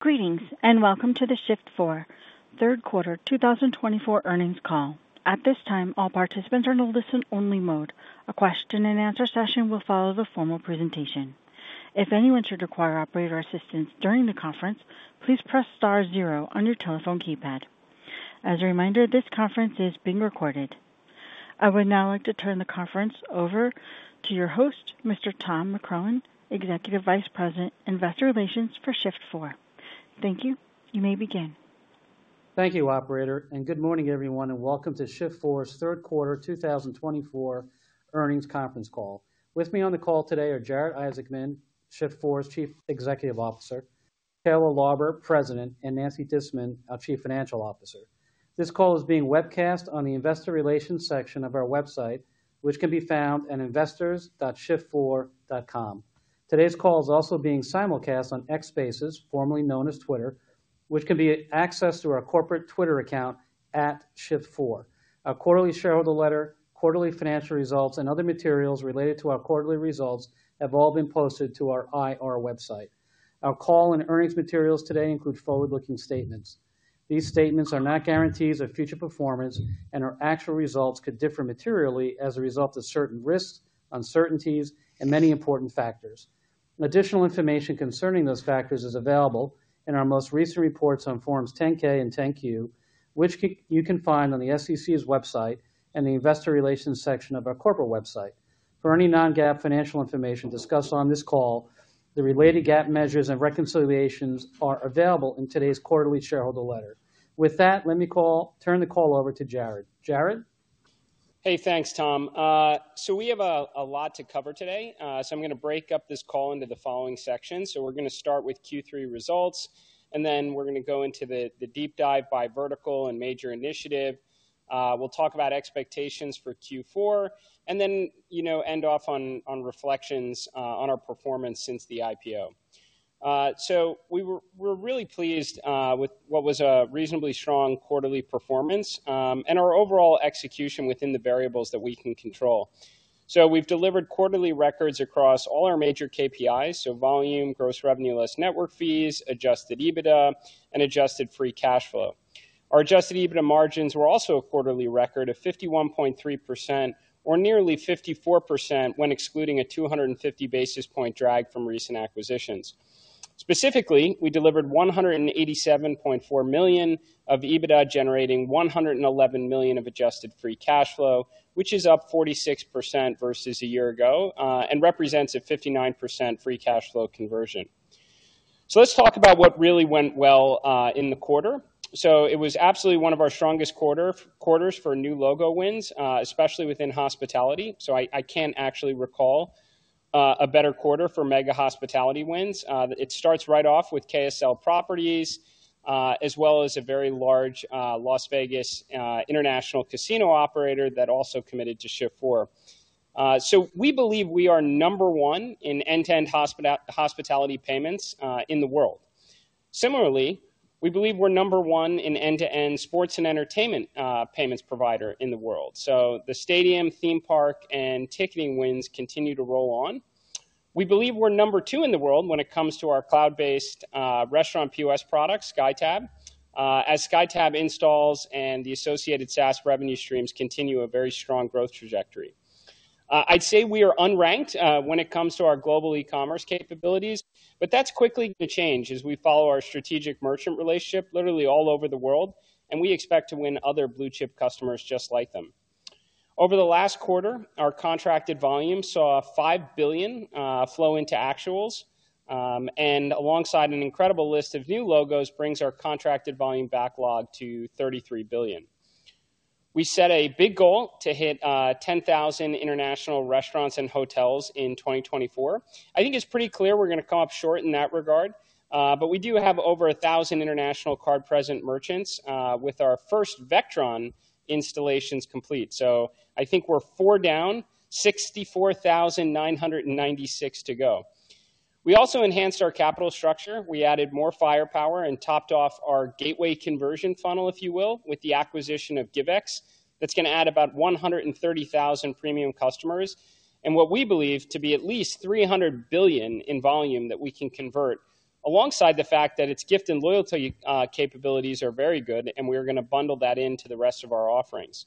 Greetings and welcome to the Shift4 Q3 2024 earnings call. At this time, all participants are in a listen-only mode. A question-and-answer session will follow the formal presentation. If anyone should require operator assistance during the conference, please press star zero on your telephone keypad. As a reminder, this conference is being recorded. I would now like to turn the conference over to your host, Mr. Tom McCrohan, Executive Vice President, Investor Relations for Shift4. Thank you. You may begin. Thank you, Operator. And good morning, everyone, and welcome to Shift4's Q3 2024 earnings conference call. With me on the call today are Jared Isaacman, Shift4's Chief Executive Officer, Taylor Lauber, President, and Nancy Disman, our Chief Financial Officer. This call is being webcast on the Investor Relations section of our website, which can be found at investors.shift4.com. Today's call is also being simulcast on X Spaces, formerly known as Twitter, which can be accessed through our corporate Twitter account @Shift4. Our quarterly shareholder letter, quarterly financial results, and other materials related to our quarterly results have all been posted to our IR website. Our call and earnings materials today include forward-looking statements. These statements are not guarantees of future performance, and our actual results could differ materially as a result of certain risks, uncertainties, and many important factors. Additional information concerning those factors is available in our most recent reports on Forms 10-K and 10-Q, which you can find on the SEC's website and the Investor Relations section of our corporate website. For any non-GAAP financial information discussed on this call, the related GAAP measures and reconciliations are available in today's quarterly shareholder letter. With that, let me turn the call over to Jared. Jared? Hey, thanks, Tom. So we have a lot to cover today. So I'm going to break up this call into the following sections. So we're going to start with Q3 results, and then we're going to go into the deep dive by vertical and major initiative. We'll talk about expectations for Q4, and then end off on reflections on our performance since the IPO. So we were really pleased with what was a reasonably strong quarterly performance and our overall execution within the variables that we can control. So we've delivered quarterly records across all our major KPIs: volume, gross revenue, less network fees, adjusted EBITDA, and adjusted free cash flow. Our adjusted EBITDA margins were also a quarterly record of 51.3%, or nearly 54% when excluding a 250 basis point drag from recent acquisitions. Specifically, we delivered $187.4 million of EBITDA, generating $111 million of adjusted free cash flow, which is up 46% versus a year ago and represents a 59% free cash flow conversion. So let's talk about what really went well in the quarter. So it was absolutely one of our strongest quarters for new logo wins, especially within hospitality. So I can't actually recall a better quarter for mega hospitality wins. It starts right off with KSL Resorts, as well as a very large Las Vegas International Casino operator that also committed to Shift4. So we believe we are number one in end-to-end hospitality payments in the world. Similarly, we believe we're number one in end-to-end sports and entertainment payments provider in the world. So the stadium, theme park, and ticketing wins continue to roll on. We believe we're number two in the world when it comes to our cloud-based restaurant POS product, SkyTab, as SkyTab installs and the associated SaaS revenue streams continue a very strong growth trajectory. I'd say we are unranked when it comes to our global e-commerce capabilities, but that's quickly going to change as we follow our strategic merchant relationship literally all over the world, and we expect to win other blue-chip customers just like them. Over the last quarter, our contracted volume saw 5 billion flow into actuals, and alongside an incredible list of new logos, brings our contracted volume backlog to 33 billion. We set a big goal to hit 10,000 international restaurants and hotels in 2024. I think it's pretty clear we're going to come up short in that regard, but we do have over 1,000 international card-present merchants with our first Vectron installations complete. I think we're four down, 64,996 to go. We also enhanced our capital structure. We added more firepower and topped off our gateway conversion funnel, if you will, with the acquisition of Givex. That's going to add about 130,000 premium customers and what we believe to be at least $300 billion in volume that we can convert, alongside the fact that its gift and loyalty capabilities are very good, and we're going to bundle that into the rest of our offerings.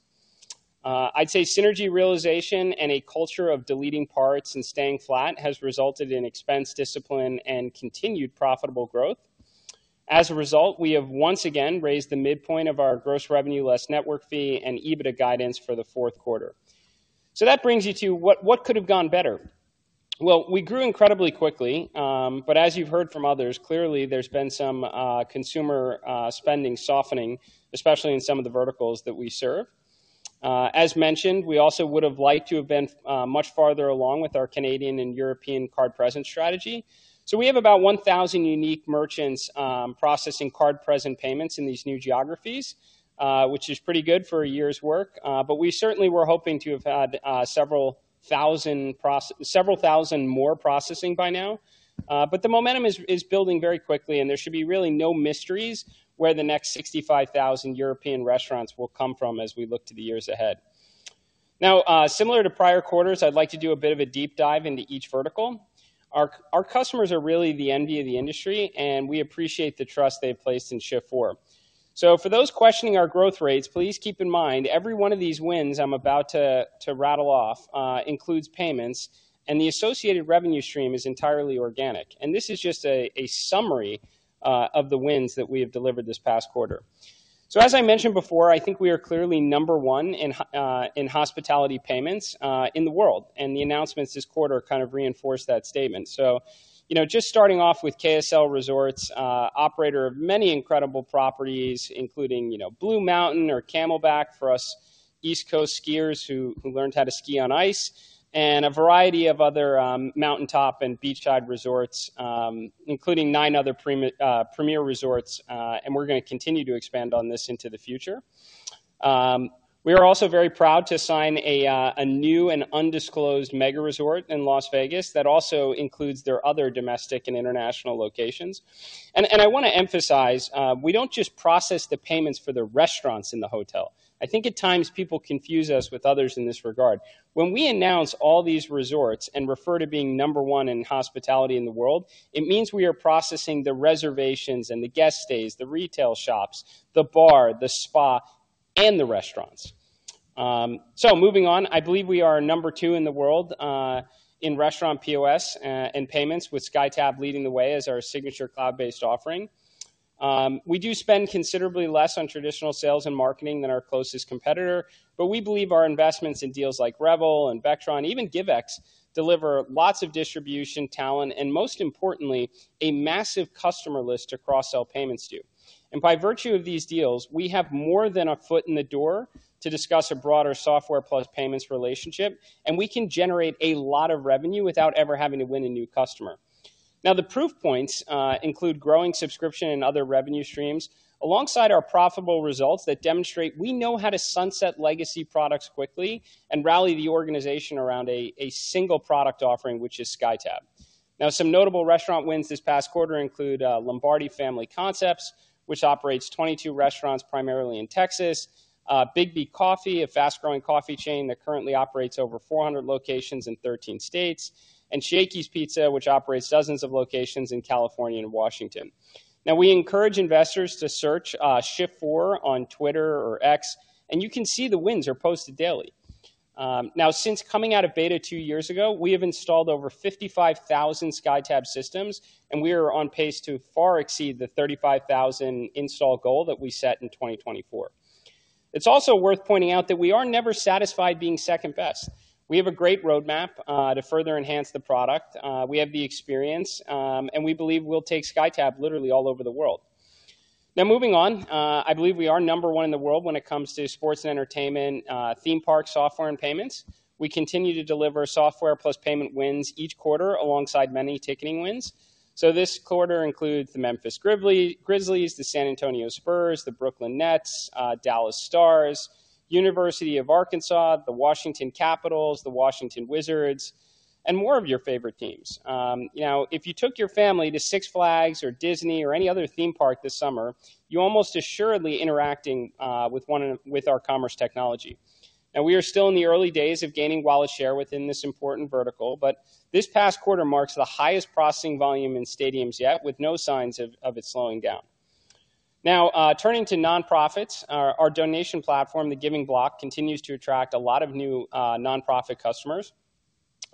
I'd say synergy realization and a culture of deleting parts and staying flat has resulted in expense discipline, and continued profitable growth. As a result, we have once again raised the midpoint of our gross revenue less network fees, and EBITDA guidance for the fourth quarter. That brings you to what could have gone better. We grew incredibly quickly, but as you've heard from others, clearly there's been some consumer spending softening, especially in some of the verticals that we serve. As mentioned, we also would have liked to have been much farther along with our Canadian and European card-present strategy. So we have about 1,000 unique merchants processing card-present payments in these new geographies, which is pretty good for a year's work, but we certainly were hoping to have had several thousand more processing by now. But the momentum is building very quickly, and there should be really no mysteries where the next 65,000 European restaurants will come from as we look to the years ahead. Now, similar to prior quarters, I'd like to do a bit of a deep dive into each vertical. Our customers are really the envy of the industry, and we appreciate the trust they've placed in Shift4. So for those questioning our growth rates, please keep in mind every one of these wins I'm about to rattle off includes payments, and the associated revenue stream is entirely organic. And this is just a summary of the wins that we have delivered this past quarter. So as I mentioned before, I think we are clearly number one in hospitality payments in the world, and the announcements this quarter kind of reinforced that statement. So just starting off with KSL Resorts, operator of many incredible properties, including Blue Mountain or Camelback for us East Coast skiers who learned how to ski on ice, and a variety of other mountaintop and beachside resorts, including nine other premier resorts, and we're going to continue to expand on this into the future. We are also very proud to sign a new and undisclosed mega resort in Las Vegas that also includes their other domestic and international locations, and I want to emphasize we don't just process the payments for the restaurants in the hotel. I think at times people confuse us with others in this regard. When we announce all these resorts and refer to being number one in hospitality in the world, it means we are processing the reservations and the guest stays, the retail shops, the bar, the spa, and the restaurants, so moving on, I believe we are number two in the world in restaurant POS and payments, with SkyTab leading the way as our signature cloud-based offering. We do spend considerably less on traditional sales and marketing than our closest competitor, but we believe our investments in deals like Revel and Vectron, even Givex, deliver lots of distribution talent and, most importantly, a massive customer list to cross-sell payments to. And by virtue of these deals, we have more than a foot in the door to discuss a broader software plus payments relationship, and we can generate a lot of revenue without ever having to win a new customer. Now, the proof points include growing subscription and other revenue streams alongside our profitable results that demonstrate we know how to sunset legacy products quickly and rally the organization around a single product offering, which is SkyTab. Now, some notable restaurant wins this past quarter include Lombardi Family Concepts, which operates 22 restaurants primarily in Texas. Biggby Coffee, a fast-growing coffee chain that currently operates over 400 locations in 13 states. And Shakey's Pizza, which operates dozens of locations in California and Washington. Now, we encourage investors to search Shift4 on Twitter or X, and you can see the wins are posted daily. Now, since coming out of beta two years ago, we have installed over 55,000 SkyTab systems, and we are on pace to far exceed the 35,000 install goal that we set in 2024. It's also worth pointing out that we are never satisfied being second best. We have a great roadmap to further enhance the product. We have the experience, and we believe we'll take SkyTab literally all over the world. Now, moving on, I believe we are number one in the world when it comes to sports and entertainment, theme park software, and payments. We continue to deliver software plus payment wins each quarter alongside many ticketing wins. So this quarter includes the Memphis Grizzlies, the San Antonio Spurs, the Brooklyn Nets, Dallas Stars, University of Arkansas, the Washington Capitals, the Washington Wizards, and more of your favorite teams. Now, if you took your family to Six Flags or Disney or any other theme park this summer, you almost assuredly interact with our commerce technology. Now, we are still in the early days of gaining wallet share within this important vertical, but this past quarter marks the highest processing volume in stadiums yet, with no signs of it slowing down. Now, turning to nonprofits, our donation platform, The Giving Block, continues to attract a lot of new nonprofit customers.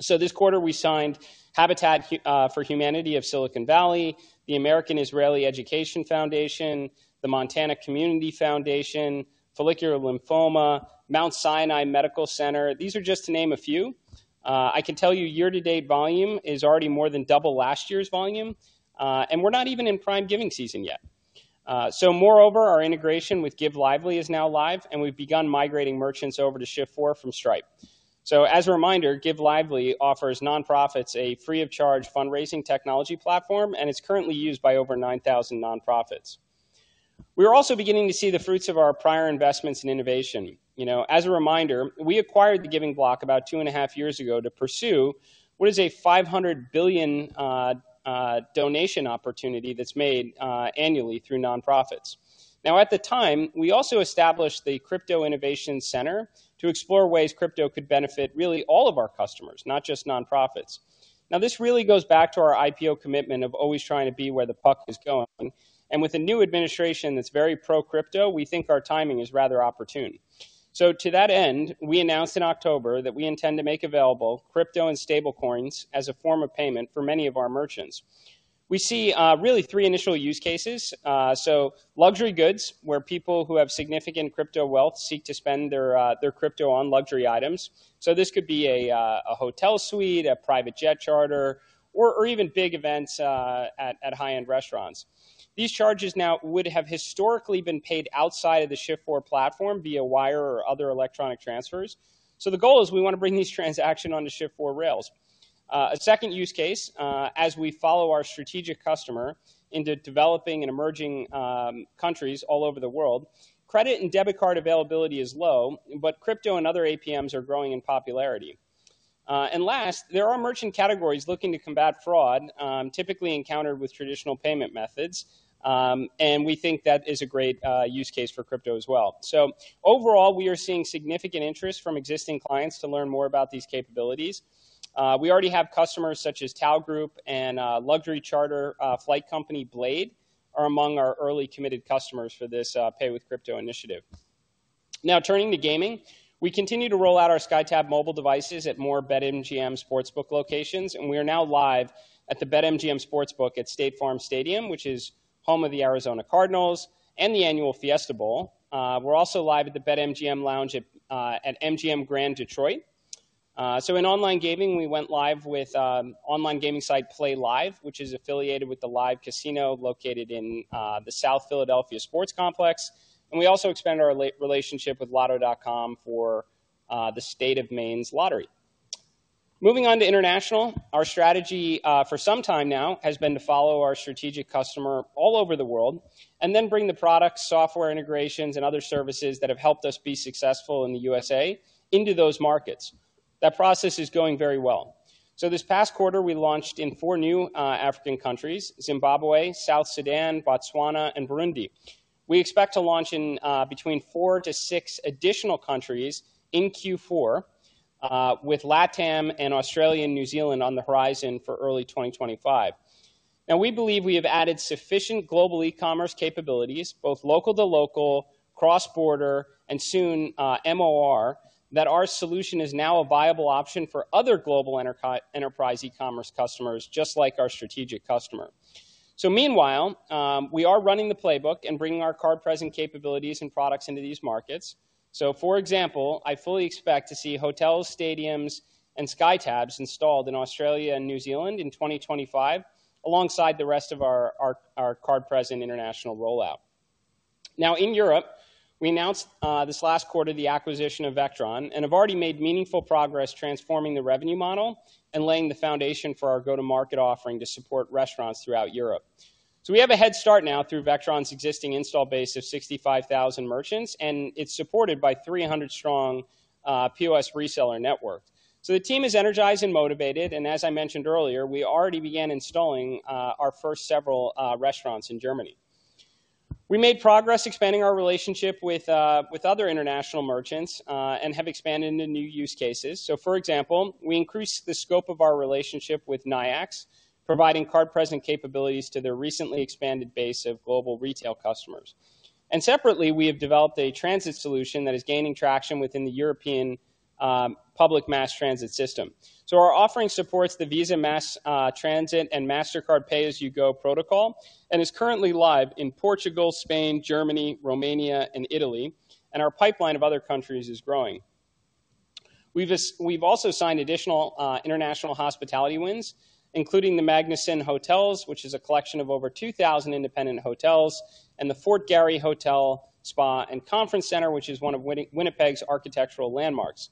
This quarter, we signed Habitat for Humanity of Silicon Valley, the American Israel Education Foundation, the Montana Community Foundation, Follicular Lymphoma, Mount Sinai Medical Center. These are just to name a few. I can tell you year-to-date volume is already more than double last year's volume, and we're not even in prime giving season yet. Moreover, our integration with Give Lively is now live, and we've begun migrating merchants over to Shift4 from Stripe. As a reminder, Give Lively offers nonprofits a free-of-charge fundraising technology platform, and it's currently used by over 9,000 nonprofits. We are also beginning to see the fruits of our prior investments in innovation. As a reminder, we acquired the Giving Block about two and a half years ago to pursue what is a $500 billion donation opportunity that's made annually through nonprofits. Now, at the time, we also established the Crypto Innovation Center to explore ways crypto could benefit really all of our customers, not just nonprofits. Now, this really goes back to our IPO commitment of always trying to be where the puck is going, and with a new administration that's very pro-crypto, we think our timing is rather opportune, so to that end, we announced in October that we intend to make available crypto and stablecoins as a form of payment for many of our merchants. We see really three initial use cases, so luxury goods, where people who have significant crypto wealth seek to spend their crypto on luxury items, so this could be a hotel suite, a private jet charter, or even big events at high-end restaurants. These charges now would have historically been paid outside of the Shift4 platform via wire or other electronic transfers. So the goal is we want to bring these transactions onto Shift4 rails. A second use case, as we follow our strategic customer into developing and emerging countries all over the world, credit and debit card availability is low, but crypto and other APMs are growing in popularity. And last, there are merchant categories looking to combat fraud, typically encountered with traditional payment methods, and we think that is a great use case for crypto as well. So overall, we are seeing significant interest from existing clients to learn more about these capabilities. We already have customers such as Tao Group and luxury charter flight company Blade are among our early committed customers for this pay with crypto initiative. Now, turning to gaming, we continue to roll out our SkyTab Mobile devices at more BetMGM Sportsbook locations, and we are now live at the BetMGM Sportsbook at State Farm Stadium, which is home of the Arizona Cardinals and the annual Fiesta Bowl. We're also live at the BetMGM Lounge at MGM Grand Detroit. So in online gaming, we went live with online gaming site PlayLive!, which is affiliated with the Live! Casino located in the South Philadelphia Sports Complex, and we also expanded our relationship with Lotto.com for the State of Maine's lottery. Moving on to international, our strategy for some time now has been to follow our strategic customer all over the world and then bring the products, software integrations, and other services that have helped us be successful in the USA into those markets. That process is going very well. This past quarter, we launched in four new African countries: Zimbabwe, South Sudan, Botswana, and Burundi. We expect to launch in between four to six additional countries in Q4 with LATAM and Australia and New Zealand on the horizon for early 2025. Now, we believe we have added sufficient global e-commerce capabilities, both local to local, cross-border, and soon MOR, that our solution is now a viable option for other global enterprise e-commerce customers, just like our strategic customer. Meanwhile, we are running the playbook and bringing our card-present capabilities and products into these markets. For example, I fully expect to see hotels, stadiums, and SkyTabs installed in Australia and New Zealand in 2025 alongside the rest of our card-present international rollout. Now, in Europe, we announced this last quarter the acquisition of Vectron and have already made meaningful progress transforming the revenue model and laying the foundation for our go-to-market offering to support restaurants throughout Europe. So we have a head start now through Vectron's existing install base of 65,000 merchants, and it's supported by 300-strong POS reseller network. So the team is energized and motivated, and as I mentioned earlier, we already began installing our first several restaurants in Germany. We made progress expanding our relationship with other international merchants and have expanded into new use cases. So for example, we increased the scope of our relationship with Nayax, providing card-present capabilities to their recently expanded base of global retail customers. And separately, we have developed a transit solution that is gaining traction within the European public mass transit system. Our offering supports the Visa, mass transit, and Mastercard Pay-as-you-go protocol and is currently live in Portugal, Spain, Germany, Romania, and Italy, and our pipeline of other countries is growing. We've also signed additional international hospitality wins, including the Magnuson Hotels, which is a collection of over 2,000 independent hotels, and the Fort Garry Hotel, Spa, and Conference Center, which is one of Winnipeg's architectural landmarks.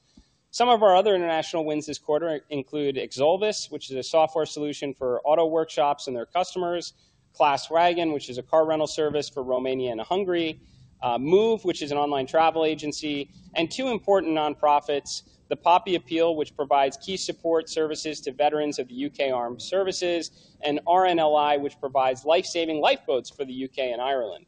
Some of our other international wins this quarter include Xolvis, which is a software solution for auto workshops and their customers, KlassWagen, which is a car rental service for Romania and Hungary, Muv, which is an online travel agency, and two important nonprofits: The Poppy Appeal, which provides key support services to veterans of the UK Armed Services, and RNLI, which provides lifesaving lifeboats for the UK and Ireland.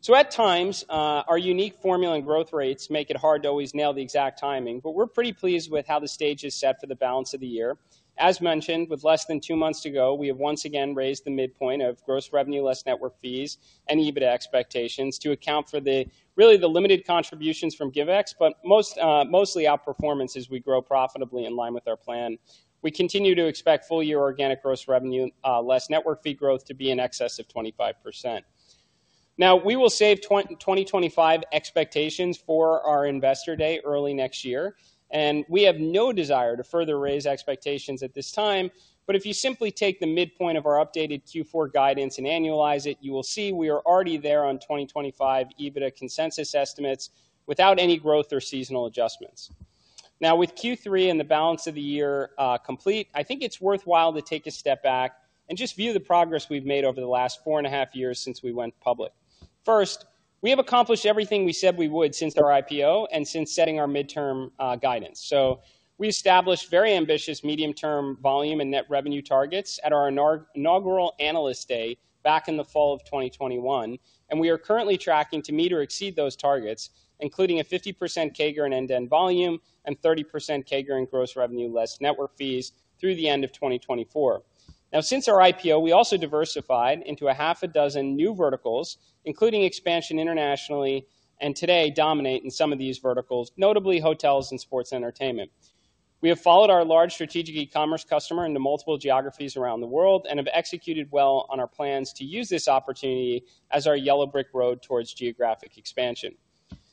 So at times, our unique formula and growth rates make it hard to always nail the exact timing, but we're pretty pleased with how the stage is set for the balance of the year. As mentioned, with less than two months to go, we have once again raised the midpoint of gross revenue, less network fees, and EBITDA expectations to account for really the limited contributions from Givex, but mostly outperformance as we grow profitably in line with our plan. We continue to expect full-year organic gross revenue, less network fee growth to be in excess of 25%. Now, we will save 2025 expectations for our investor day early next year, and we have no desire to further raise expectations at this time, but if you simply take the midpoint of our updated Q4 guidance and annualize it, you will see we are already there on 2025 EBITDA consensus estimates without any growth or seasonal adjustments. Now, with Q3 and the balance of the year complete, I think it's worthwhile to take a step back and just view the progress we've made over the last four and a half years since we went public. First, we have accomplished everything we said we would since our IPO and since setting our midterm guidance. We established very ambitious medium-term volume and net revenue targets at our inaugural analyst day back in the fall of 2021, and we are currently tracking to meet or exceed those targets, including a 50% CAGR in end-to-end volume and 30% CAGR in gross revenue, less network fees, through the end of 2024. Now, since our IPO, we also diversified into a half a dozen new verticals, including expansion internationally, and today dominate in some of these verticals, notably hotels and sports entertainment. We have followed our large strategic e-commerce customer into multiple geographies around the world and have executed well on our plans to use this opportunity as our yellow brick road towards geographic expansion.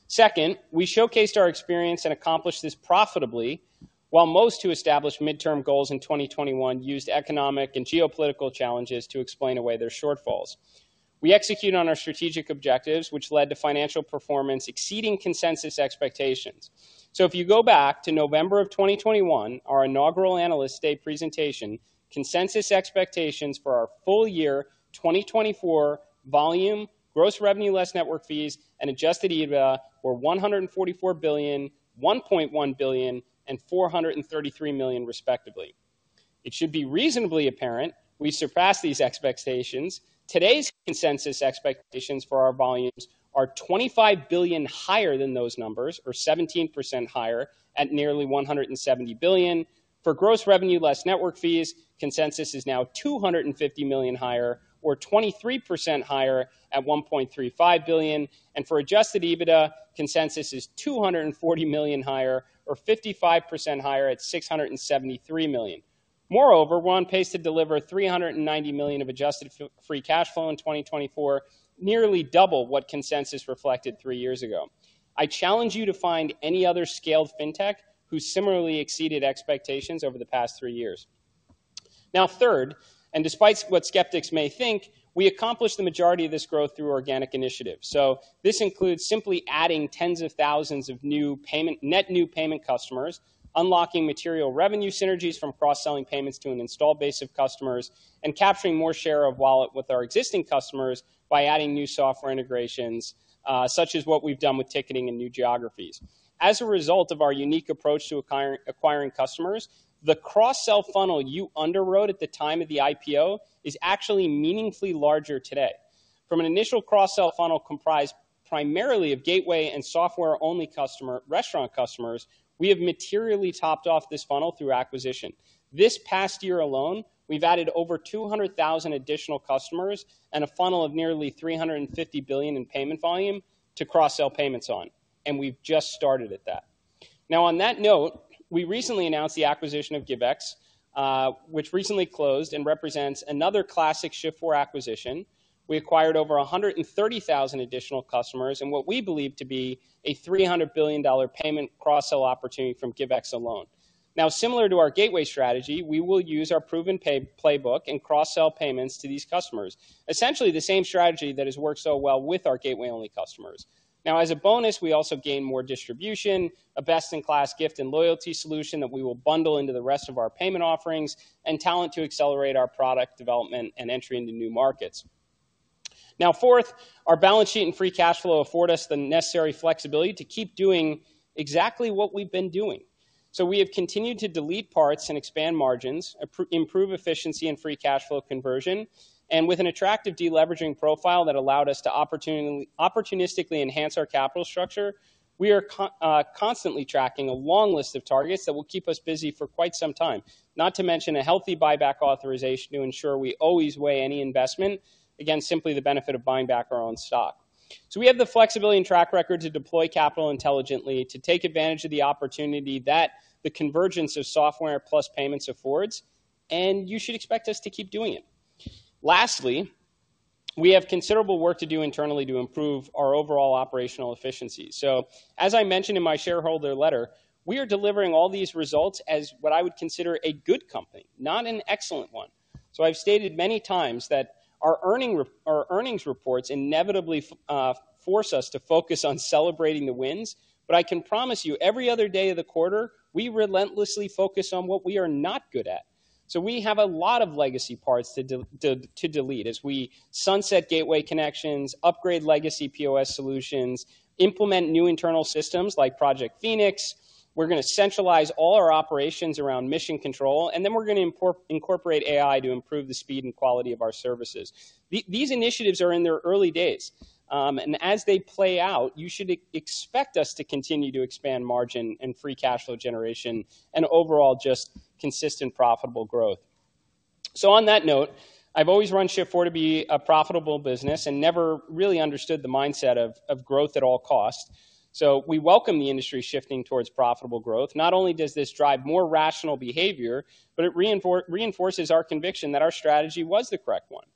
Second, we showcased our experience and accomplished this profitably while most who established medium-term goals in 2021 used economic and geopolitical challenges to explain away their shortfalls. We executed on our strategic objectives, which led to financial performance exceeding consensus expectations. So if you go back to November of 2021, our inaugural analyst day presentation, consensus expectations for our full year 2024 volume, Gross Revenue Less Network Fees, and adjusted EBITDA were $144 billion, $1.1 billion, and $433 million, respectively. It should be reasonably apparent we surpassed these expectations. Today's consensus expectations for our volumes are $25 billion higher than those numbers, or 17% higher at nearly $170 billion. For Gross Revenue Less Network Fees, consensus is now $250 million higher, or 23% higher at $1.35 billion, and for adjusted EBITDA, consensus is $240 million higher, or 55% higher at $673 million. Moreover, we're on pace to deliver $390 million of adjusted free cash flow in 2024, nearly double what consensus reflected three years ago. I challenge you to find any other scaled fintech who similarly exceeded expectations over the past three years. Now, third, and despite what skeptics may think, we accomplished the majority of this growth through organic initiatives. So this includes simply adding tens of thousands of new net new payment customers, unlocking material revenue synergies from cross-selling payments to an install base of customers, and capturing more share of wallet with our existing customers by adding new software integrations, such as what we've done with ticketing and new geographies. As a result of our unique approach to acquiring customers, the cross-sell funnel you underwrote at the time of the IPO is actually meaningfully larger today. From an initial cross-sell funnel comprised primarily of gateway and software-only customer restaurant customers, we have materially topped off this funnel through acquisition. This past year alone, we've added over 200,000 additional customers and a funnel of nearly $350 billion in payment volume to cross-sell payments on, and we've just started at that. Now, on that note, we recently announced the acquisition of Givex, which recently closed and represents another classic Shift4 acquisition. We acquired over 130,000 additional customers and what we believe to be a $300 billion payment cross-sell opportunity from Givex alone. Now, similar to our gateway strategy, we will use our proven playbook and cross-sell payments to these customers, essentially the same strategy that has worked so well with our gateway-only customers. Now, as a bonus, we also gain more distribution, a best-in-class gift and loyalty solution that we will bundle into the rest of our payment offerings and talent to accelerate our product development and entry into new markets. Now, fourth, our balance sheet and free cash flow afford us the necessary flexibility to keep doing exactly what we've been doing. So we have continued to deleverage and expand margins, improve efficiency and free cash flow conversion, and with an attractive deleveraging profile that allowed us to opportunistically enhance our capital structure, we are constantly tracking a long list of targets that will keep us busy for quite some time, not to mention a healthy buyback authorization to ensure we always weigh any investment against simply the benefit of buying back our own stock. So we have the flexibility and track record to deploy capital intelligently to take advantage of the opportunity that the convergence of software plus payments affords, and you should expect us to keep doing it. Lastly, we have considerable work to do internally to improve our overall operational efficiency. So, as I mentioned in my shareholder letter, we are delivering all these results as what I would consider a good company, not an excellent one. So I've stated many times that our earnings reports inevitably force us to focus on celebrating the wins, but I can promise you every other day of the quarter, we relentlessly focus on what we are not good at. So we have a lot of legacy parts to delete as we sunset gateway connections, upgrade legacy POS solutions, implement new internal systems like Project Phoenix. We're going to centralize all our operations around Mission Control, and then we're going to incorporate AI to improve the speed and quality of our services. These initiatives are in their early days, and as they play out, you should expect us to continue to expand margin and free cash flow generation and overall just consistent profitable growth. So, on that note, I've always run Shift4 to be a profitable business and never really understood the mindset of growth at all costs. So we welcome the industry shifting towards profitable growth. Not only does this drive more rational behavior, but it reinforces our conviction that our strategy was the correct one.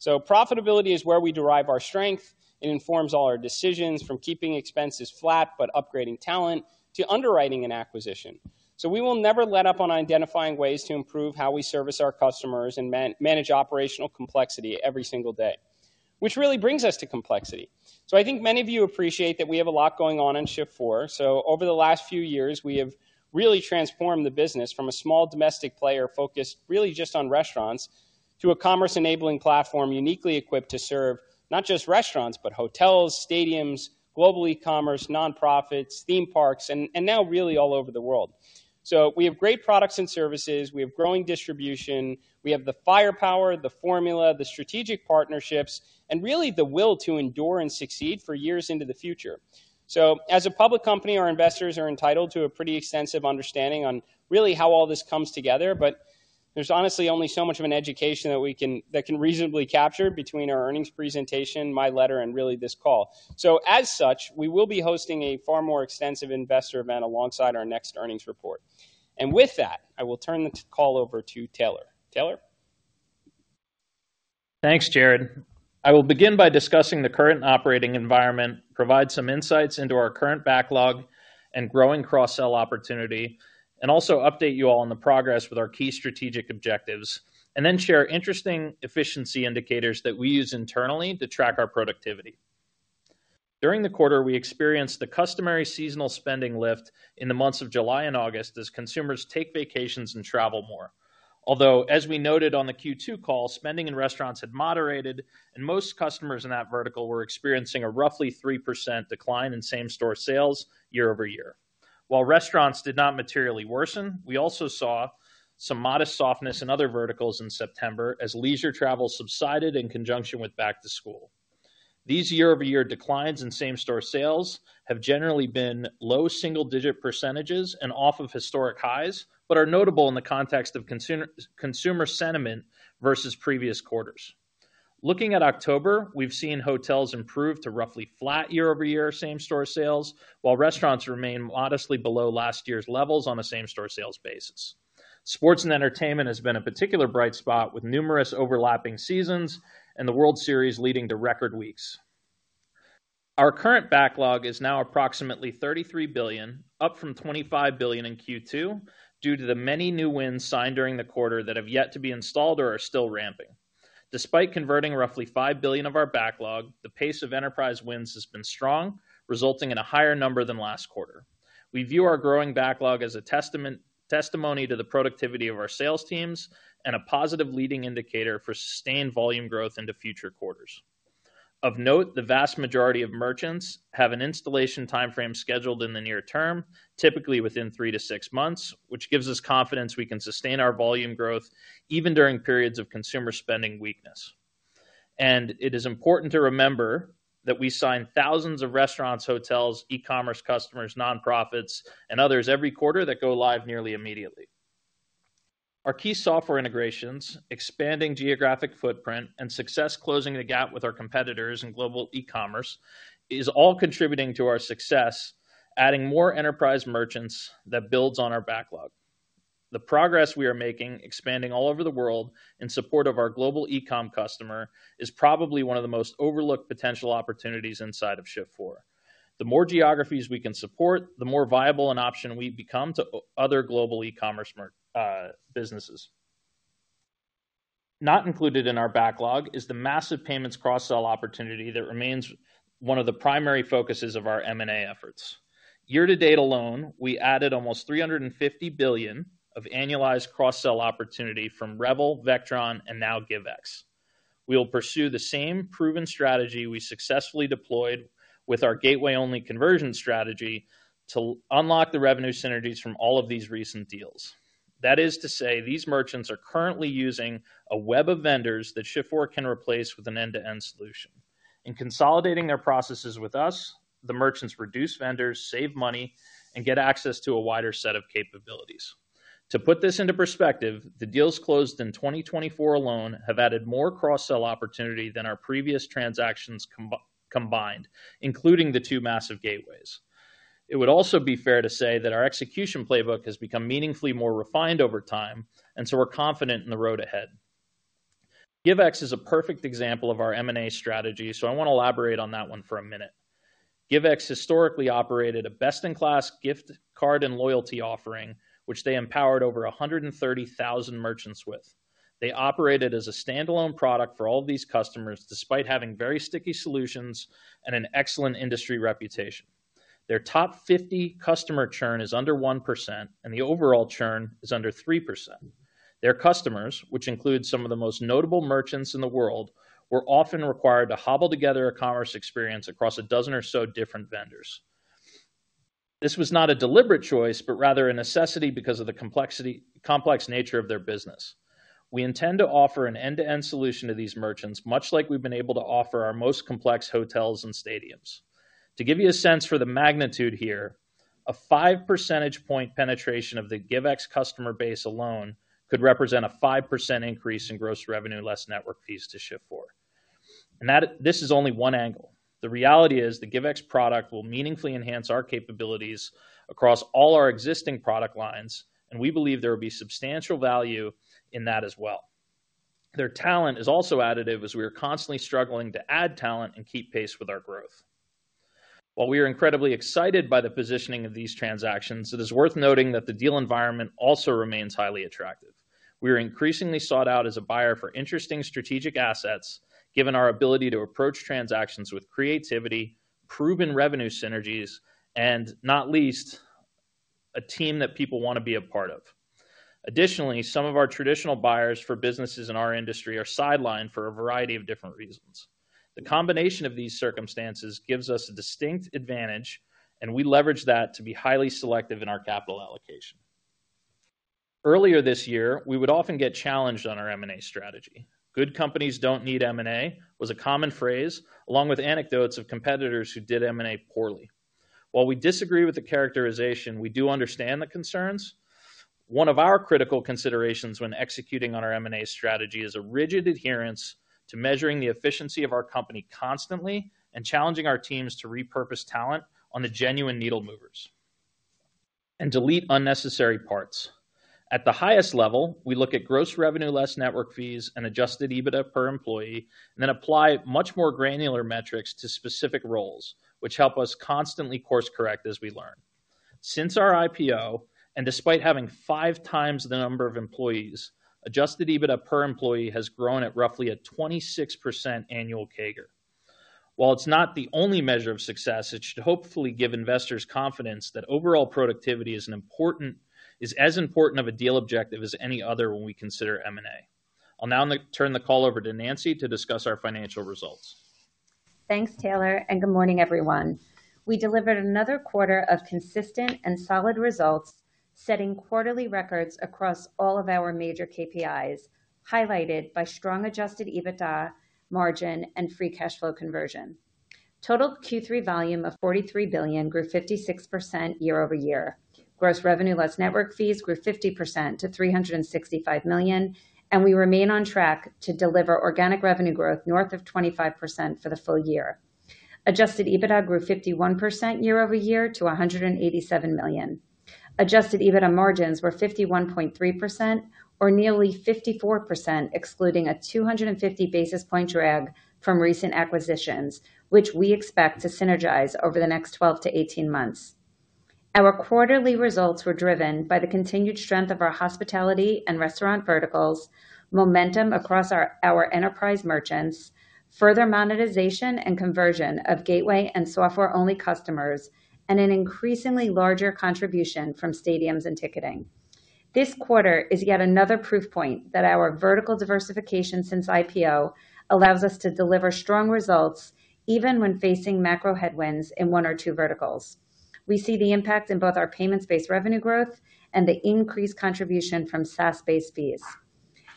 So, profitability is where we derive our strength. It informs all our decisions from keeping expenses flat but upgrading talent to underwriting and acquisition. So we will never let up on identifying ways to improve how we service our customers and manage operational complexity every single day, which really brings us to complexity. So I think many of you appreciate that we have a lot going on in Shift4. So, over the last few years, we have really transformed the business from a small domestic player focused really just on restaurants to a commerce-enabling platform uniquely equipped to serve not just restaurants, but hotels, stadiums, global e-commerce, nonprofits, theme parks, and now really all over the world. So we have great products and services. We have growing distribution. We have the firepower, the formula, the strategic partnerships, and really the will to endure and succeed for years into the future. So, as a public company, our investors are entitled to a pretty extensive understanding on really how all this comes together, but there's honestly only so much of an education that we can reasonably capture between our earnings presentation, my letter, and really this call. So, as such, we will be hosting a far more extensive investor event alongside our next earnings report. With that, I will turn the call over to Taylor. Taylor? Thanks, Jared. I will begin by discussing the current operating environment, provide some insights into our current backlog and growing cross-sell opportunity, and also update you all on the progress with our key strategic objectives, and then share interesting efficiency indicators that we use internally to track our productivity. During the quarter, we experienced the customary seasonal spending lift in the months of July and August as consumers take vacations and travel more. Although, as we noted on the Q2 call, spending in restaurants had moderated, and most customers in that vertical were experiencing a roughly 3% decline in same-store sales year over year. While restaurants did not materially worsen, we also saw some modest softness in other verticals in September as leisure travel subsided in conjunction with back-to-school. These year-over-year declines in same-store sales have generally been low single-digit percentages and off of historic highs, but are notable in the context of consumer sentiment versus previous quarters. Looking at October, we've seen hotels improve to roughly flat year-over-year same-store sales, while restaurants remain modestly below last year's levels on a same-store sales basis. Sports and entertainment has been a particular bright spot with numerous overlapping seasons and the World Series leading to record weeks. Our current backlog is now approximately $33 billion, up from $25 billion in Q2 due to the many new wins signed during the quarter that have yet to be installed or are still ramping. Despite converting roughly $5 billion of our backlog, the pace of enterprise wins has been strong, resulting in a higher number than last quarter. We view our growing backlog as a testimony to the productivity of our sales teams and a positive leading indicator for sustained volume growth into future quarters. Of note, the vast majority of merchants have an installation timeframe scheduled in the near term, typically within three to six months, which gives us confidence we can sustain our volume growth even during periods of consumer spending weakness, and it is important to remember that we sign thousands of restaurants, hotels, e-commerce customers, nonprofits, and others every quarter that go live nearly immediately. Our key software integrations, expanding geographic footprint, and success closing the gap with our competitors in global e-commerce is all contributing to our success, adding more enterprise merchants that builds on our backlog. The progress we are making, expanding all over the world in support of our global e-com customer, is probably one of the most overlooked potential opportunities inside of Shift4. The more geographies we can support, the more viable an option we become to other global e-commerce businesses. Not included in our backlog is the massive payments cross-sell opportunity that remains one of the primary focuses of our M&A efforts. Year-to-date alone, we added almost 350 billion of annualized cross-sell opportunity from Rebel, Vectron, and now Givex. We will pursue the same proven strategy we successfully deployed with our gateway-only conversion strategy to unlock the revenue synergies from all of these recent deals. That is to say, these merchants are currently using a web of vendors that Shift4 can replace with an end-to-end solution. In consolidating their processes with us, the merchants reduce vendors, save money, and get access to a wider set of capabilities. To put this into perspective, the deals closed in 2024 alone have added more cross-sell opportunity than our previous transactions combined, including the two massive gateways. It would also be fair to say that our execution playbook has become meaningfully more refined over time, and so we're confident in the road ahead. Givex is a perfect example of our M&A strategy, so I want to elaborate on that one for a minute. Givex historically operated a best-in-class gift card and loyalty offering, which they empowered over 130,000 merchants with. They operated as a standalone product for all of these customers despite having very sticky solutions and an excellent industry reputation. Their top 50 customer churn is under 1%, and the overall churn is under 3%. Their customers, which include some of the most notable merchants in the world, were often required to hobble together a commerce experience across a dozen or so different vendors. This was not a deliberate choice, but rather a necessity because of the complex nature of their business. We intend to offer an end-to-end solution to these merchants, much like we've been able to offer our most complex hotels and stadiums. To give you a sense for the magnitude here, a 5 percentage point penetration of the Givex customer base alone could represent a 5% increase in gross revenue less network fees to Shift4. And this is only one angle. The reality is the Givex product will meaningfully enhance our capabilities across all our existing product lines, and we believe there will be substantial value in that as well. Their talent is also additive as we are constantly struggling to add talent and keep pace with our growth. While we are incredibly excited by the positioning of these transactions, it is worth noting that the deal environment also remains highly attractive. We are increasingly sought out as a buyer for interesting strategic assets, given our ability to approach transactions with creativity, proven revenue synergies, and not least, a team that people want to be a part of. Additionally, some of our traditional buyers for businesses in our industry are sidelined for a variety of different reasons. The combination of these circumstances gives us a distinct advantage, and we leverage that to be highly selective in our capital allocation. Earlier this year, we would often get challenged on our M&A strategy. "Good companies don't need M&A" was a common phrase, along with anecdotes of competitors who did M&A poorly. While we disagree with the characterization, we do understand the concerns. One of our critical considerations when executing on our M&A strategy is a rigid adherence to measuring the efficiency of our company constantly and challenging our teams to repurpose talent on the genuine needle movers and delete unnecessary parts. At the highest level, we look at Gross Revenue Less Network Fees and Adjusted EBITDA per employee, and then apply much more granular metrics to specific roles, which help us constantly course-correct as we learn. Since our IPO, and despite having five times the number of employees, Adjusted EBITDA per employee has grown at roughly a 26% annual CAGR. While it's not the only measure of success, it should hopefully give investors confidence that overall productivity is as important of a deal objective as any other when we consider M&A. I'll now turn the call over to Nancy to discuss our financial results. Thanks, Taylor, and good morning, everyone. We delivered another quarter of consistent and solid results, setting quarterly records across all of our major KPIs, highlighted by strong Adjusted EBITDA, margin, and free cash flow conversion. Total Q3 volume of $43 billion grew 56% year-over-year. Gross revenue less network fees grew 50% to $365 million, and we remain on track to deliver organic revenue growth north of 25% for the full year. Adjusted EBITDA grew 51% year-over-year to $187 million. Adjusted EBITDA margins were 51.3%, or nearly 54%, excluding a 250 basis point drag from recent acquisitions, which we expect to synergize over the next 12 to 18 months. Our quarterly results were driven by the continued strength of our hospitality and restaurant verticals, momentum across our enterprise merchants, further monetization and conversion of gateway and software-only customers, and an increasingly larger contribution from stadiums and ticketing. This quarter is yet another proof point that our vertical diversification since IPO allows us to deliver strong results even when facing macro headwinds in one or two verticals. We see the impact in both our payments-based revenue growth and the increased contribution from SaaS-based fees.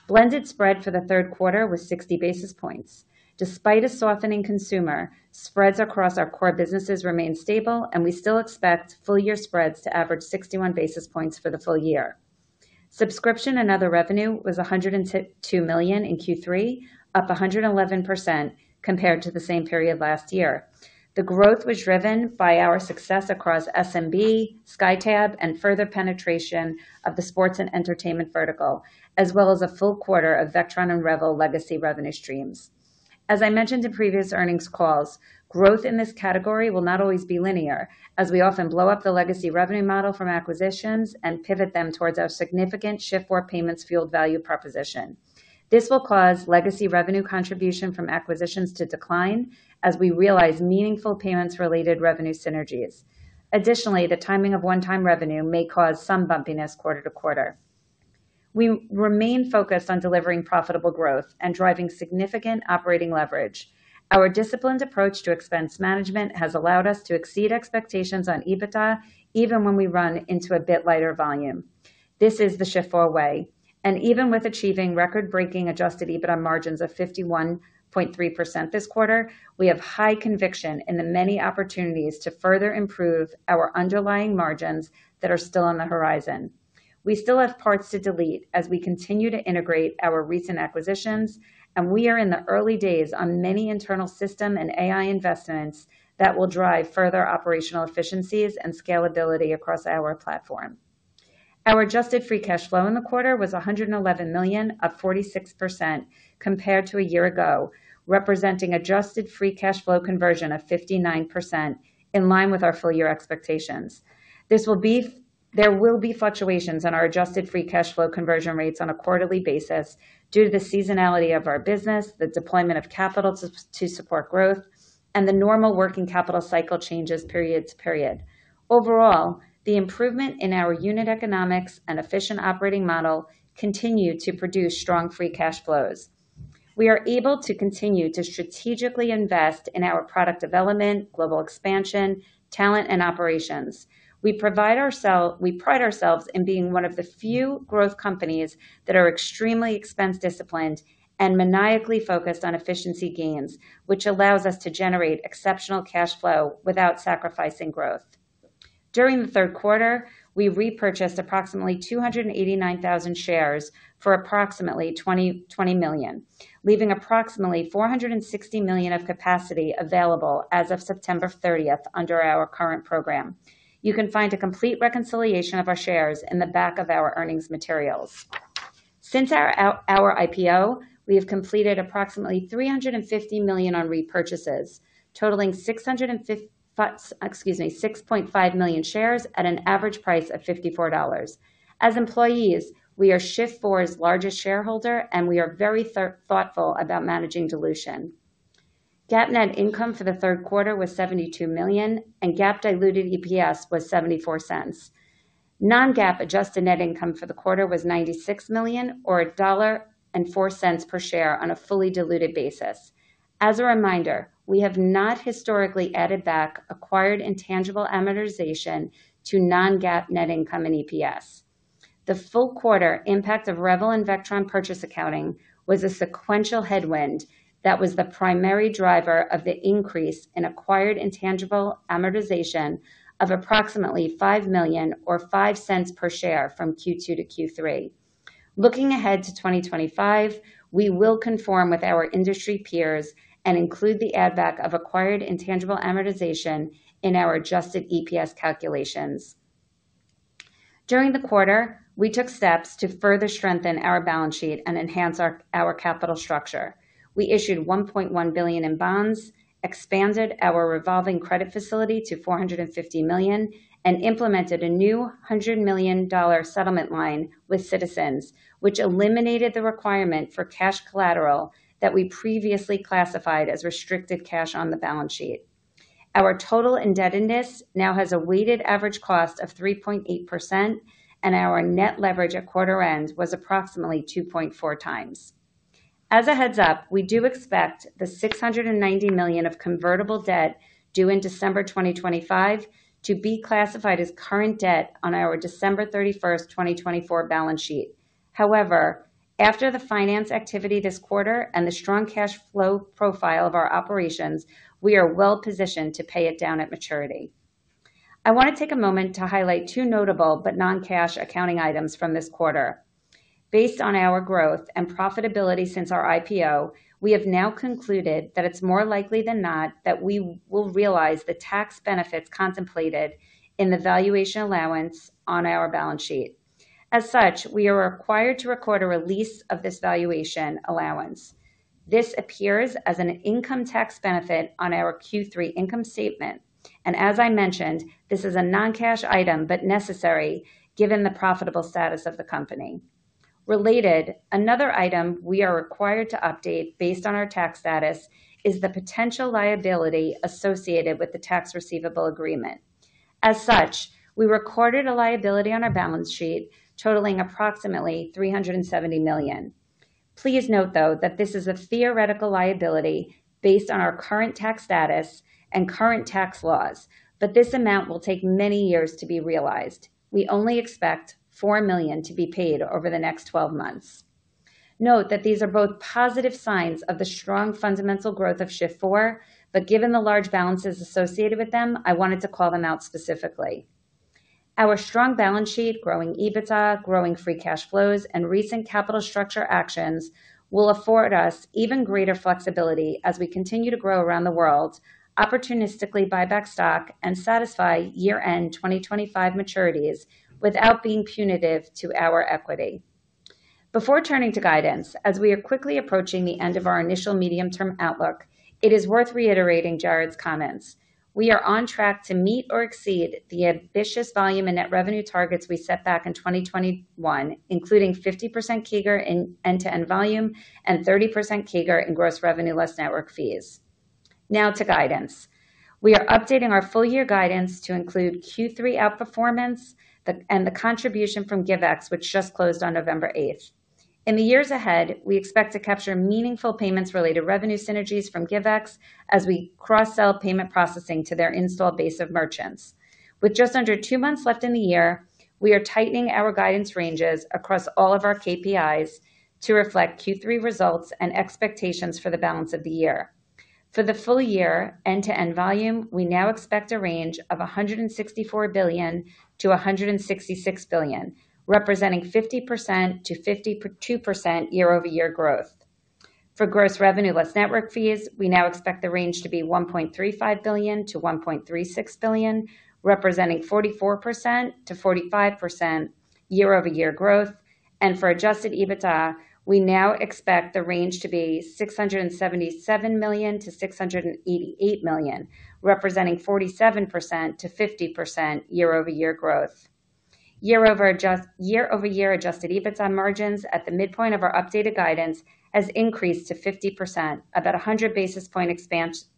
Blended spread for the third quarter was 60 basis points. Despite a softening consumer, spreads across our core businesses remain stable, and we still expect full-year spreads to average 61 basis points for the full year. Subscription and other revenue was $102 million in Q3, up 111% compared to the same period last year. The growth was driven by our success across SMB, SkyTab, and further penetration of the sports and entertainment vertical, as well as a full quarter of Vectron and Revel legacy revenue streams. As I mentioned in previous earnings calls, growth in this category will not always be linear, as we often blow up the legacy revenue model from acquisitions and pivot them towards our significant Shift4 payments fueled value proposition. This will cause legacy revenue contribution from acquisitions to decline as we realize meaningful payments-related revenue synergies. Additionally, the timing of one-time revenue may cause some bumpiness quarter to quarter. We remain focused on delivering profitable growth and driving significant operating leverage. Our disciplined approach to expense management has allowed us to exceed expectations on EBITDA even when we run into a bit lighter volume. This is the Shift4 way. And even with achieving record-breaking Adjusted EBITDA margins of 51.3% this quarter, we have high conviction in the many opportunities to further improve our underlying margins that are still on the horizon. We still have parts to delete as we continue to integrate our recent acquisitions, and we are in the early days on many internal system and AI investments that will drive further operational efficiencies and scalability across our platform. Our Adjusted Free Cash Flow in the quarter was $111 million, up 46% compared to a year ago, representing Adjusted Free Cash Flow conversion of 59%, in line with our full-year expectations. There will be fluctuations in our Adjusted Free Cash Flow conversion rates on a quarterly basis due to the seasonality of our business, the deployment of capital to support growth, and the normal working capital cycle changes period to period. Overall, the improvement in our unit economics and efficient operating model continue to produce strong free cash flows. We are able to continue to strategically invest in our product development, global expansion, talent, and operations. We pride ourselves in being one of the few growth companies that are extremely expense disciplined and maniacally focused on efficiency gains, which allows us to generate exceptional cash flow without sacrificing growth. During the third quarter, we repurchased approximately 289,000 shares for approximately $20 million, leaving approximately $460 million of capacity available as of September 30 under our current program. You can find a complete reconciliation of our shares in the back of our earnings materials. Since our IPO, we have completed approximately $350 million on repurchases, totaling 6.5 million shares at an average price of $54. As employees, we are Shift4's largest shareholder, and we are very thoughtful about managing dilution. GAAP net income for the third quarter was $72 million, and GAAP diluted EPS was $0.74. Non-GAAP adjusted net income for the quarter was $96 million, or $1.04 per share on a fully diluted basis. As a reminder, we have not historically added back acquired intangible amortization to non-GAAP net income and EPS. The full quarter impact of Revel and Vectron purchase accounting was a sequential headwind that was the primary driver of the increase in acquired intangible amortization of approximately $5 million, or 5 cents per share from Q2 to Q3. Looking ahead to 2025, we will conform with our industry peers and include the addback of acquired intangible amortization in our adjusted EPS calculations. During the quarter, we took steps to further strengthen our balance sheet and enhance our capital structure. We issued $1.1 billion in bonds, expanded our revolving credit facility to $450 million, and implemented a new $100 million settlement line with Citizens, which eliminated the requirement for cash collateral that we previously classified as restricted cash on the balance sheet. Our total indebtedness now has a weighted average cost of 3.8%, and our net leverage at quarter end was approximately 2.4 times. As a heads up, we do expect the $690 million of convertible debt due in December 2025 to be classified as current debt on our December 31, 2024 balance sheet. However, after the finance activity this quarter and the strong cash flow profile of our operations, we are well positioned to pay it down at maturity. I want to take a moment to highlight two notable but non-cash accounting items from this quarter. Based on our growth and profitability since our IPO, we have now concluded that it's more likely than not that we will realize the tax benefits contemplated in the valuation allowance on our balance sheet. As such, we are required to record a release of this valuation allowance. This appears as an income tax benefit on our Q3 income statement, and as I mentioned, this is a non-cash item but necessary given the profitable status of the company. Related, another item we are required to update based on our tax status is the potential liability associated with the Tax Receivable Agreement. As such, we recorded a liability on our balance sheet totaling approximately $370 million. Please note, though, that this is a theoretical liability based on our current tax status and current tax laws, but this amount will take many years to be realized. We only expect $4 million to be paid over the next 12 months. Note that these are both positive signs of the strong fundamental growth of Shift4, but given the large balances associated with them, I wanted to call them out specifically. Our strong balance sheet, growing EBITDA, growing free cash flows, and recent capital structure actions will afford us even greater flexibility as we continue to grow around the world, opportunistically buy back stock, and satisfy year-end 2025 maturities without being punitive to our equity. Before turning to guidance, as we are quickly approaching the end of our initial medium-term outlook, it is worth reiterating Jared's comments. We are on track to meet or exceed the ambitious volume and net revenue targets we set back in 2021, including 50% CAGR in end-to-end volume and 30% CAGR in gross revenue less network fees. Now to guidance. We are updating our full-year guidance to include Q3 outperformance and the contribution from Givex, which just closed on November 8. In the years ahead, we expect to capture meaningful payments-related revenue synergies from Givex as we cross-sell payment processing to their installed base of merchants. With just under two months left in the year, we are tightening our guidance ranges across all of our KPIs to reflect Q3 results and expectations for the balance of the year. For the full-year end-to-end volume, we now expect a range of 164 billion-166 billion, representing 50%-52% year-over-year growth. For gross revenue less network fees, we now expect the range to be $1.35 billion-$1.36 billion, representing 44%-45% year-over-year growth. For Adjusted EBITDA, we now expect the range to be $677 million-$688 million, representing 47%-50% year-over-year growth. Year-over-year Adjusted EBITDA margins at the midpoint of our updated guidance has increased to 50%, about 100 basis point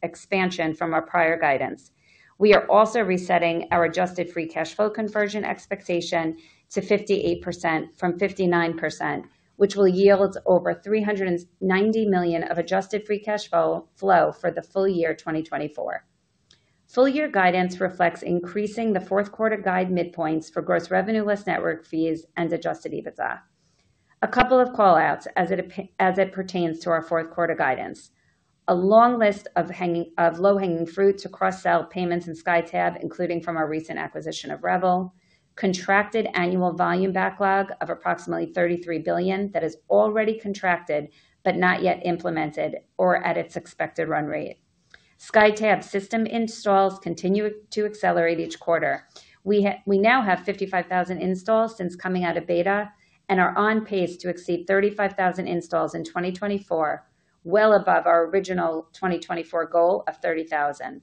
expansion from our prior guidance. We are also resetting our adjusted free cash flow conversion expectation to 58% from 59%, which will yield over $390 million of adjusted free cash flow for the full year 2024. Full-year guidance reflects increasing the fourth quarter guide midpoints for gross revenue less network fees and adjusted EBITDA. A couple of callouts as it pertains to our fourth quarter guidance. A long list of low-hanging fruit to cross-sell payments and SkyTab, including from our recent acquisition of Rebel, contracted annual volume backlog of approximately $33 billion that is already contracted but not yet implemented or at its expected run rate. SkyTab system installs continue to accelerate each quarter. We now have 55,000 installs since coming out of beta and are on pace to exceed 35,000 installs in 2024, well above our original 2024 goal of 30,000.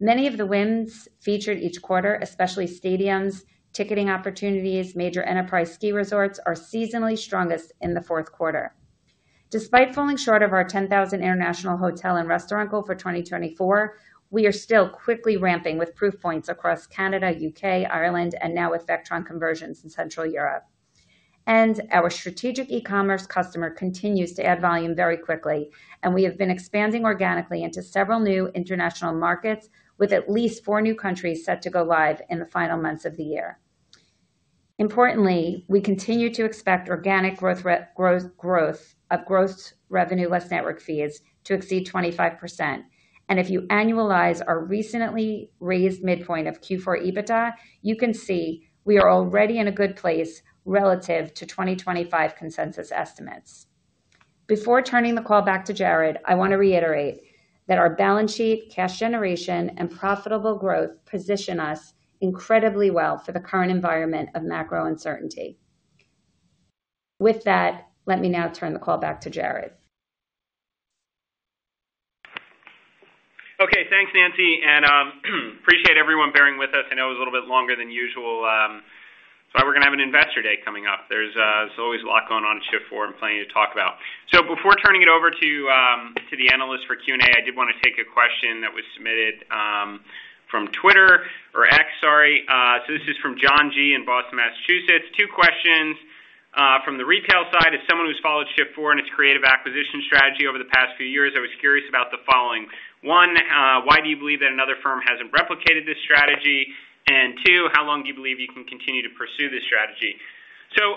Many of the wins featured each quarter, especially stadiums, ticketing opportunities, major enterprise ski resorts, are seasonally strongest in the fourth quarter. Despite falling short of our 10,000 international hotel and restaurant goal for 2024, we are still quickly ramping with proof points across Canada, UK, Ireland, and now with Vectron conversions in Central Europe. And our strategic e-commerce customer continues to add volume very quickly, and we have been expanding organically into several new international markets with at least four new countries set to go live in the final months of the year. Importantly, we continue to expect organic growth of gross revenue less network fees to exceed 25%. And if you annualize our recently raised midpoint of Q4 EBITDA, you can see we are already in a good place relative to 2025 consensus estimates. Before turning the call back to Jared, I want to reiterate that our balance sheet, cash generation, and profitable growth position us incredibly well for the current environment of macro uncertainty. With that, let me now turn the call back to Jared. Okay, thanks, Nancy. And appreciate everyone bearing with us. I know it was a little bit longer than usual. So we're going to have an investor day coming up. There's always a lot going on at Shift4 and plenty to talk about. So before turning it over to the analyst for Q&A, I did want to take a question that was submitted from Twitter or X, sorry. So this is from John G in Boston, Massachusetts. Two questions from the retail side. As someone who's followed Shift4 and its creative acquisition strategy over the past few years, I was curious about the following. One, why do you believe that another firm hasn't replicated this strategy? And two, how long do you believe you can continue to pursue this strategy? So,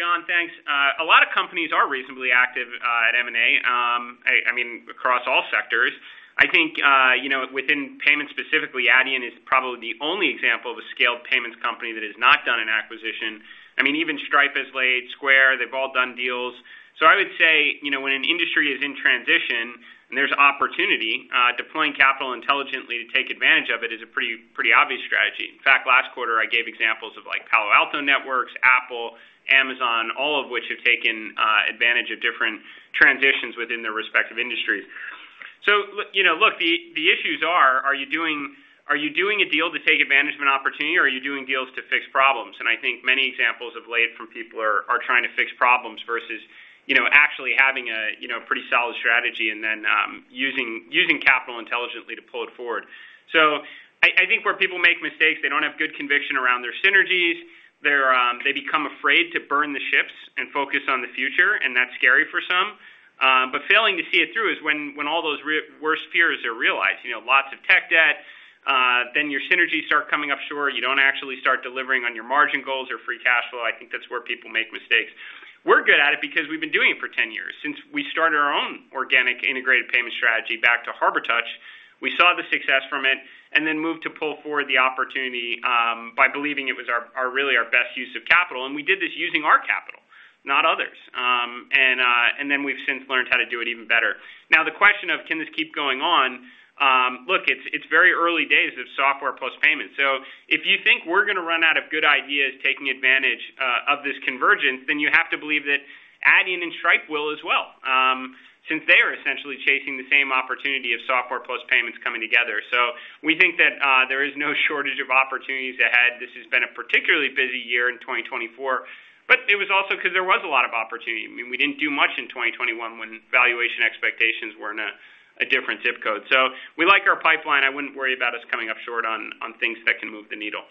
John, thanks. A lot of companies are reasonably active at M&A, I mean, across all sectors. I think within payments specifically, Adyen is probably the only example of a scaled payments company that has not done an acquisition. I mean, even Stripe as well, Square, they've all done deals. So I would say when an industry is in transition and there's opportunity, deploying capital intelligently to take advantage of it is a pretty obvious strategy. In fact, last quarter, I gave examples of Palo Alto Networks, Apple, Amazon, all of which have taken advantage of different transitions within their respective industries. Look, the issues are, are you doing a deal to take advantage of an opportunity, or are you doing deals to fix problems? I think many examples have played out from people trying to fix problems versus actually having a pretty solid strategy and then using capital intelligently to pull it forward. I think where people make mistakes, they don't have good conviction around their synergies. They become afraid to burn the ships and focus on the future, and that's scary for some. But failing to see it through is when all those worst fears are realized. Lots of tech debt, then your synergies start coming up short. You don't actually start delivering on your margin goals or free cash flow. I think that's where people make mistakes. We're good at it because we've been doing it for 10 years. Since we started our own organic integrated payment strategy back to Harbortouch, we saw the success from it and then moved to pull forward the opportunity by believing it was really our best use of capital. And we did this using our capital, not others. And then we've since learned how to do it even better. Now, the question of can this keep going on? Look, it's very early days of software plus payments. So if you think we're going to run out of good ideas taking advantage of this convergence, then you have to believe that Adyen and Stripe will as well, since they are essentially chasing the same opportunity of software plus payments coming together. So we think that there is no shortage of opportunities ahead. This has been a particularly busy year in 2024, but it was also because there was a lot of opportunity. I mean, we didn't do much in 2021 when valuation expectations were in a different zip code. So we like our pipeline. I wouldn't worry about us coming up short on things that can move the needle.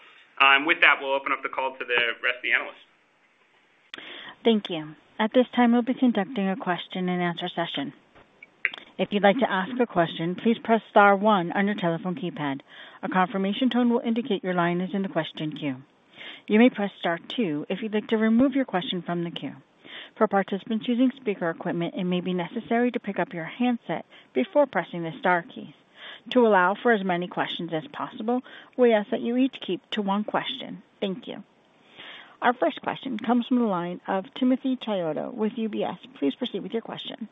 With that, we'll open up the call to the rest of the analysts. Thank you. At this time, we'll be conducting a question and answer session. If you'd like to ask a question, please press Star 1 on your telephone keypad. A confirmation tone will indicate your line is in the question queue. You may press Star 2 if you'd like to remove your question from the queue. For participants using speaker equipment, it may be necessary to pick up your handset before pressing the Star keys. To allow for as many questions as possible, we ask that you each keep to one question. Thank you. Our first question comes from the line of Tim Chhaochhria with UBS. Please proceed with your question.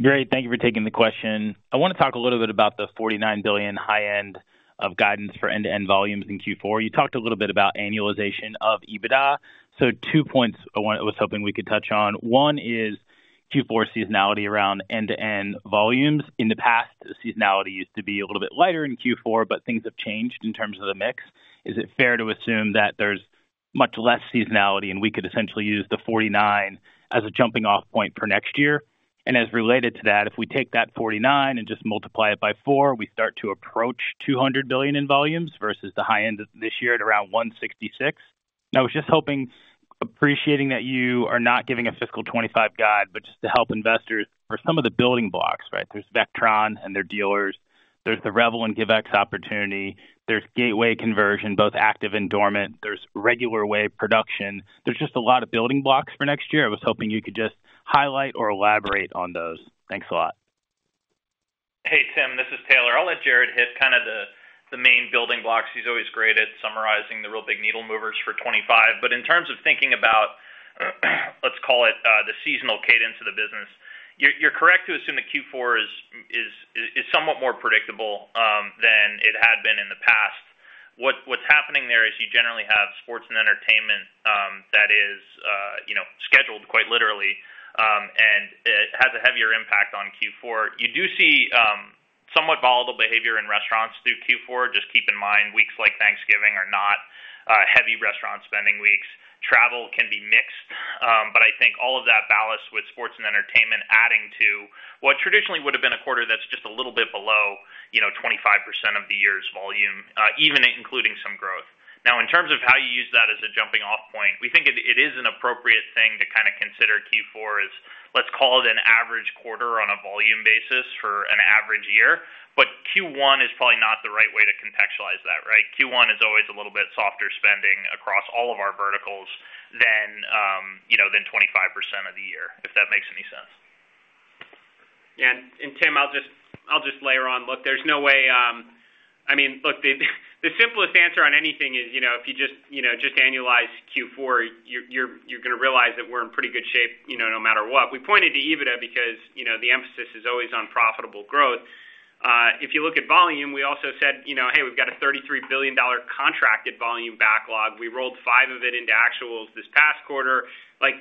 Great. Thank you for taking the question. I want to talk a little bit about the $49 billion high-end of guidance for end-to-end volumes in Q4. You talked a little bit about annualization of EBITDA. So two points I was hoping we could touch on. One is Q4 seasonality around end-to-end volumes. In the past, seasonality used to be a little bit lighter in Q4, but things have changed in terms of the mix. Is it fair to assume that there's much less seasonality and we could essentially use the $49 as a jumping-off point for next year? And as related to that, if we take that $49 and just multiply it by four, we start to approach $200 billion in volumes versus the high end this year at around $166 billion. Now, I was just hoping, appreciating that you are not giving a fiscal 25 guide, but just to help investors for some of the building blocks, right? There's Vectron and their dealers. There's the Revel and Givex opportunity. There's gateway conversion, both active and dormant. There's regular wave production. There's just a lot of building blocks for next year. I was hoping you could just highlight or elaborate on those. Thanks a lot. Hey, Tim, this is Taylor. I'll let Jared hit kind of the main building blocks. He's always great at summarizing the real big needle movers for 25. But in terms of thinking about, let's call it the seasonal cadence of the business, you're correct to assume that Q4 is somewhat more predictable than it had been in the past. What's happening there is you generally have sports and entertainment that is scheduled quite literally and has a heavier impact on Q4. You do see somewhat volatile behavior in restaurants through Q4. Just keep in mind weeks like Thanksgiving are not heavy restaurant spending weeks. Travel can be mixed, but I think all of that ballast with sports and entertainment adding to what traditionally would have been a quarter that's just a little bit below 25% of the year's volume, even including some growth. Now, in terms of how you use that as a jumping-off point, we think it is an appropriate thing to kind of consider Q4 as, let's call it an average quarter on a volume basis for an average year. But Q1 is probably not the right way to contextualize that, right? Q1 is always a little bit softer spending across all of our verticals than 25% of the year, if that makes any sense, And Tim, I'll just layer on. Look, there's no way, I mean, look, the simplest answer on anything is if you just annualize Q4, you're going to realize that we're in pretty good shape no matter what. We pointed to EBITDA because the emphasis is always on profitable growth. If you look at volume, we also said, "Hey, we've got a $33 billion contracted volume backlog. We rolled $5 billion of it into actuals this past quarter."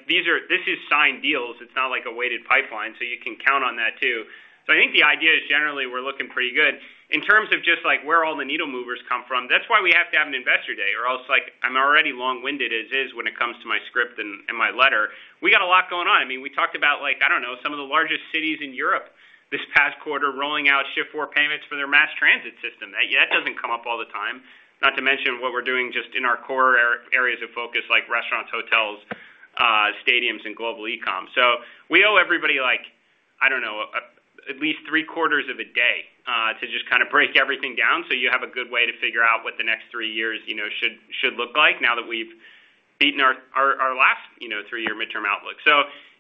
This is signed deals. It's not like a weighted pipeline, so you can count on that too, so I think the idea is generally we're looking pretty good. In terms of just where all the needle movers come from, that's why we have to have an investor day, or else I'm already long-winded as is when it comes to my script and my letter. We got a lot going on. I mean, we talked about, I don't know, some of the largest cities in Europe this past quarter rolling out Shift4 payments for their mass transit system. That doesn't come up all the time, not to mention what we're doing just in our core areas of focus like restaurants, hotels, stadiums, and global e-comm. So we owe everybody, I don't know, at least three quarters of a day to just kind of break everything down so you have a good way to figure out what the next three years should look like now that we've beaten our last three-year midterm outlook. So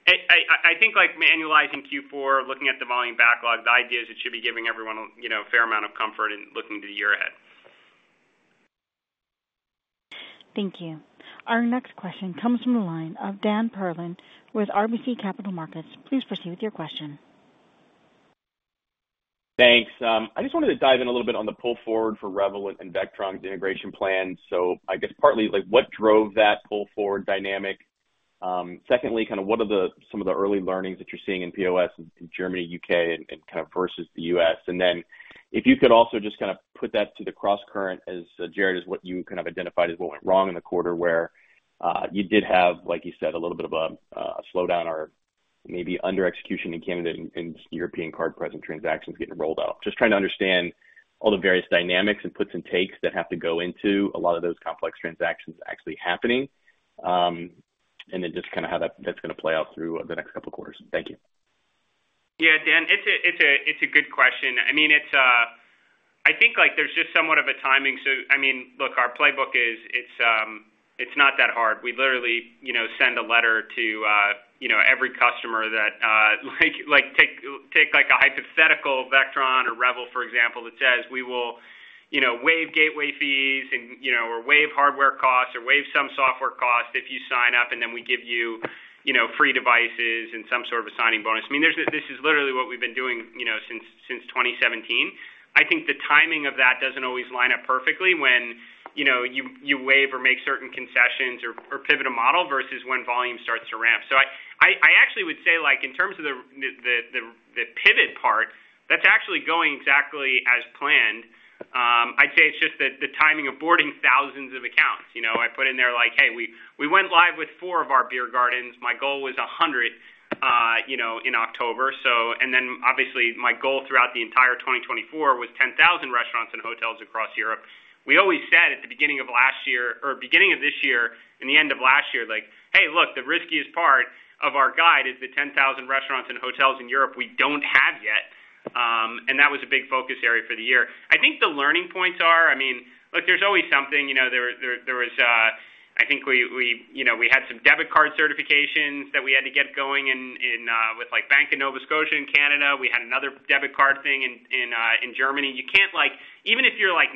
I think annualizing Q4, looking at the volume backlog, the idea is it should be giving everyone a fair amount of comfort in looking to the year ahead. Thank you. Our next question comes from the line of Dan Perlin with RBC Capital Markets. Please proceed with your question. Thanks. I just wanted to dive in a little bit on the pull forward for Revel and Vectron's integration plan. So I guess partly what drove that pull forward dynamic? Secondly, kind of what are some of the early learnings that you're seeing in POS in Germany, U.K., and kind of versus the U.S.? Then if you could also just kind of put that to the cross current as Jared is what you kind of identified as what went wrong in the quarter where you did have, like you said, a little bit of a slowdown or maybe under-execution in Canada and European card present transactions getting rolled out. Just trying to understand all the various dynamics and puts and takes that have to go into a lot of those complex transactions actually happening and then just kind of how that's going to play out through the next couple of quarters. Thank you. Yeah, Dan, it's a good question. I mean, I think there's just somewhat of a timing. So I mean, look, our playbook is it's not that hard. We literally send a letter to every customer that take a hypothetical Vectron or Revel, for example, that says we will waive gateway fees or waive hardware costs or waive some software costs if you sign up, and then we give you free devices and some sort of a signing bonus. I mean, this is literally what we've been doing since 2017. I think the timing of that doesn't always line up perfectly when you waive or make certain concessions or pivot a model versus when volume starts to ramp. So I actually would say in terms of the pivot part, that's actually going exactly as planned. I'd say it's just the timing of boarding thousands of accounts. I put in there like, "Hey, we went live with four of our beer gardens. My goal was 100 in October," and then obviously, my goal throughout the entire 2024 was 10,000 restaurants and hotels across Europe. We always said at the beginning of last year or beginning of this year and the end of last year, like, "Hey, look, the riskiest part of our guide is the 10,000 restaurants and hotels in Europe we don't have yet." And that was a big focus area for the year. I think the learning points are, I mean, look, there's always something. There was, I think we had some debit card certifications that we had to get going with Bank of Nova Scotia in Canada. We had another debit card thing in Germany. Even if you're 97%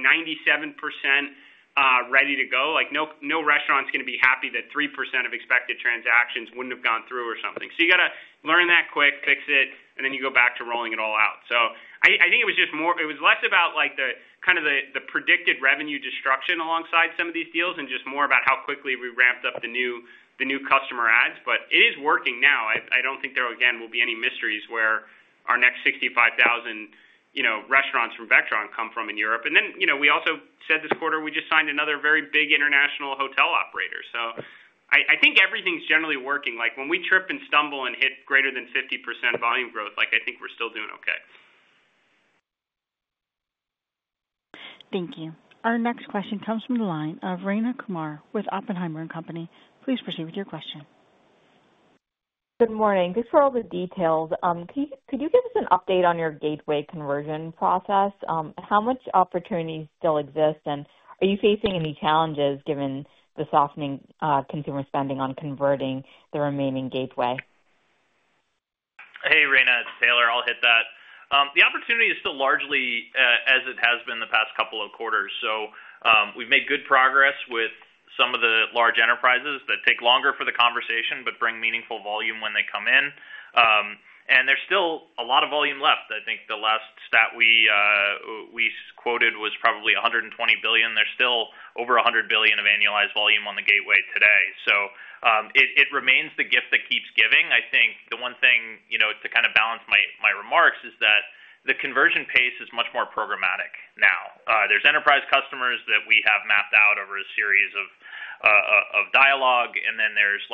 ready to go, no restaurant's going to be happy that 3% of expected transactions wouldn't have gone through or something. So you got to learn that quick, fix it, and then you go back to rolling it all out. So I think it was just more it was less about kind of the predicted revenue destruction alongside some of these deals and just more about how quickly we ramped up the new customer ads. But it is working now. I don't think there, again, will be any mysteries where our next 65,000 restaurants from Vectron come from in Europe. And then we also said this quarter, we just signed another very big international hotel operator. So I think everything's generally working. When we trip and stumble and hit greater than 50% volume growth, I think we're still doing okay. Thank you. Our next question comes from the line of Rayna Kumar with Oppenheimer & Company. Please proceed with your question. Good morning. Thanks for all the details. Could you give us an update on your gateway conversion process? How much opportunity still exists, and are you facing any challenges given the softening consumer spending on converting the remaining gateway? Hey, Rayna, it's Taylor. I'll hit that. The opportunity is still largely as it has been the past couple of quarters. So we've made good progress with some of the large enterprises that take longer for the conversion but bring meaningful volume when they come in. And there's still a lot of volume left. I think the last stat we quoted was probably $120 billion. There's still over $100 billion of annualized volume on the gateway today. So it remains the gift that keeps giving. I think the one thing to kind of balance my remarks is that the conversion pace is much more programmatic now. There's enterprise customers that we have mapped out over a series of dialogue, and then there's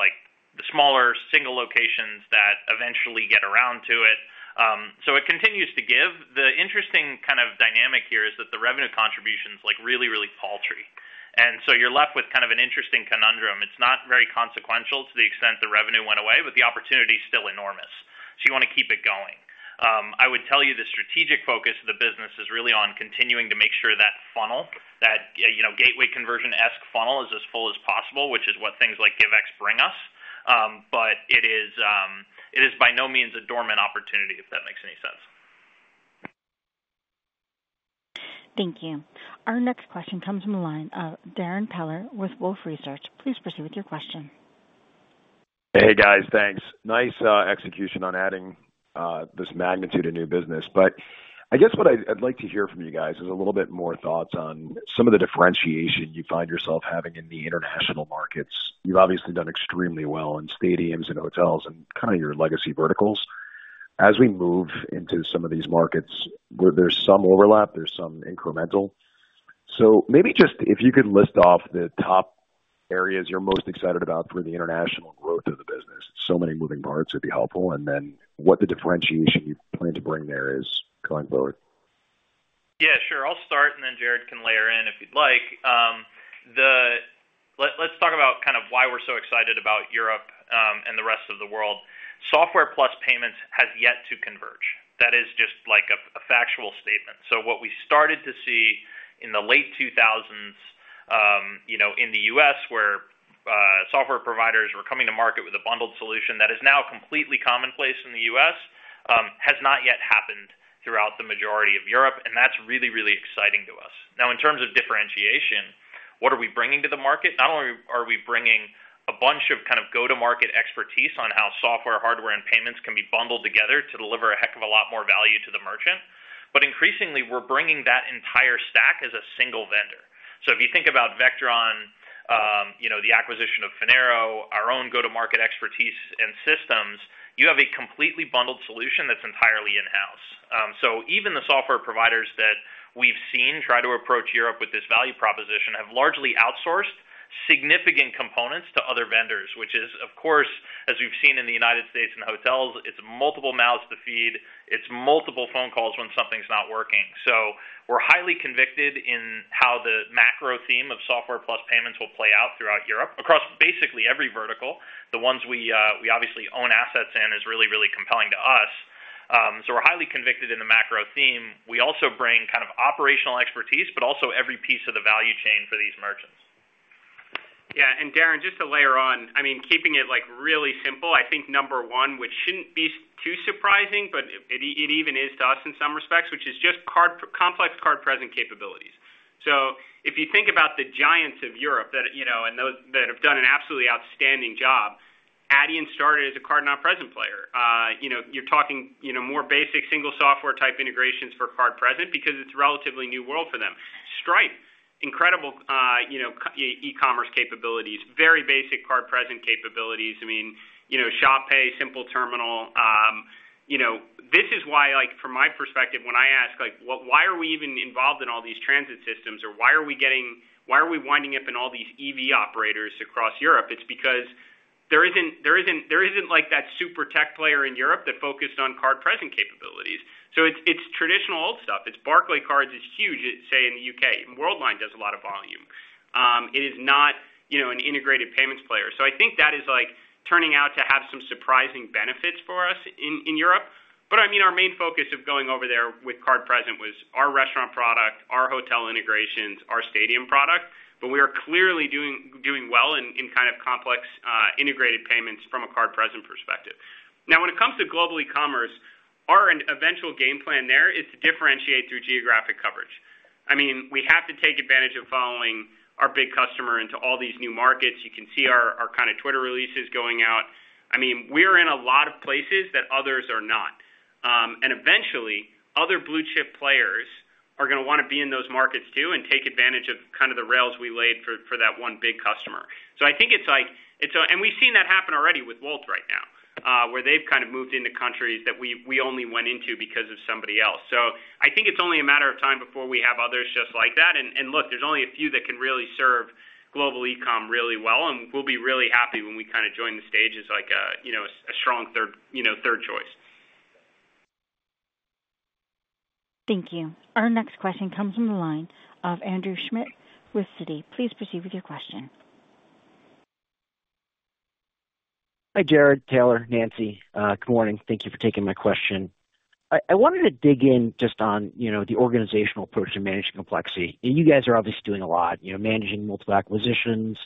the smaller single locations that eventually get around to it, so it continues to give. The interesting kind of dynamic here is that the revenue contribution's really, really paltry, and so you're left with kind of an interesting conundrum. It's not very consequential to the extent the revenue went away, but the opportunity is still enormous, so you want to keep it going. I would tell you the strategic focus of the business is really on continuing to make sure that funnel, that gateway conversion-esque funnel, is as full as possible, which is what things like Givex bring us, but it is by no means a dormant opportunity, if that makes any sense. Thank you. Our next question comes from the line of Darrin Peller with Wolfe Research. Please proceed with your question. Hey, guys, thanks. Nice execution on adding this magnitude of new business. But I guess what I'd like to hear from you guys is a little bit more thoughts on some of the differentiation you find yourself having in the international markets. You've obviously done extremely well in stadiums and hotels and kind of your legacy verticals. As we move into some of these markets, there's some overlap, there's some incremental. So maybe just if you could list off the top areas you're most excited about for the international growth of the business. So many moving parts would be helpful. And then what the differentiation you plan to bring there is going forward. Yeah, sure. I'll start, and then Jared can layer in if you'd like. Let's talk about kind of why we're so excited about Europe and the rest of the world. Software plus payments has yet to converge. That is just a factual statement. So what we started to see in the late 2000s in the U.S., where software providers were coming to market with a bundled solution that is now completely commonplace in the U.S., has not yet happened throughout the majority of Europe, and that's really, really exciting to us. Now, in terms of differentiation, what are we bringing to the market? Not only are we bringing a bunch of kind of go-to-market expertise on how software, hardware, and payments can be bundled together to deliver a heck of a lot more value to the merchant, but increasingly, we're bringing that entire stack as a single vendor. So if you think about Vectron, the acquisition of Finaro, our own go-to-market expertise and systems, you have a completely bundled solution that's entirely in-house. So even the software providers that we've seen try to approach Europe with this value proposition have largely outsourced significant components to other vendors, which is, of course, as we've seen in the United States and hotels, it's multiple mouths to feed. It's multiple phone calls when something's not working. So we're highly convicted in how the macro theme of software plus payments will play out throughout Europe across basically every vertical. The ones we obviously own assets in is really, really compelling to us. So we're highly convicted in the macro theme. We also bring kind of operational expertise, but also every piece of the value chain for these merchants. Yeah. And Darren, just to layer on, I mean, keeping it really simple, I think number one, which shouldn't be too surprising, but it even is to us in some respects, which is just complex card-present capabilities. So if you think about the giants of Europe and those that have done an absolutely outstanding job, Adyen started as a card not present player. You're talking more basic single software type integrations for card present because it's a relatively new world for them. Stripe, incredible e-commerce capabilities, very basic card present capabilities. I mean, ShopPay, simple terminal. This is why, from my perspective, when I ask, "Why are we even involved in all these transit systems?" or "Why are we winding up in all these EV operators across Europe?" It's because there isn't that super tech player in Europe that focused on card present capabilities. So it's traditional old stuff. It's Barclaycard is huge, say, in the U.K. Worldline does a lot of volume. It is not an integrated payments player. So I think that is turning out to have some surprising benefits for us in Europe. But I mean, our main focus of going over there with card present was our restaurant product, our hotel integrations, our stadium product. But we are clearly doing well in kind of complex integrated payments from a card present perspective. Now, when it comes to global e-commerce, our eventual game plan there is to differentiate through geographic coverage. I mean, we have to take advantage of following our big customer into all these new markets. You can see our kind of Twitter releases going out. I mean, we are in a lot of places that others are not. And eventually, other blue chip players are going to want to be in those markets too and take advantage of kind of the rails we laid for that one big customer. So I think it's like and we've seen that happen already with Wolt right now, where they've kind of moved into countries that we only went into because of somebody else. So I think it's only a matter of time before we have others just like that. And look, there's only a few that can really serve global e-comm really well. And we'll be really happy when we kind of join the stage as a strong third choice. Thank you. Our next question comes from the line of Andrew Schmidt with Citi. Please proceed with your question. Hi, Jared, Taylor, Nancy. Good morning. Thank you for taking my question. I wanted to dig in just on the organizational approach to managing complexity. And you guys are obviously doing a lot, managing multiple acquisitions,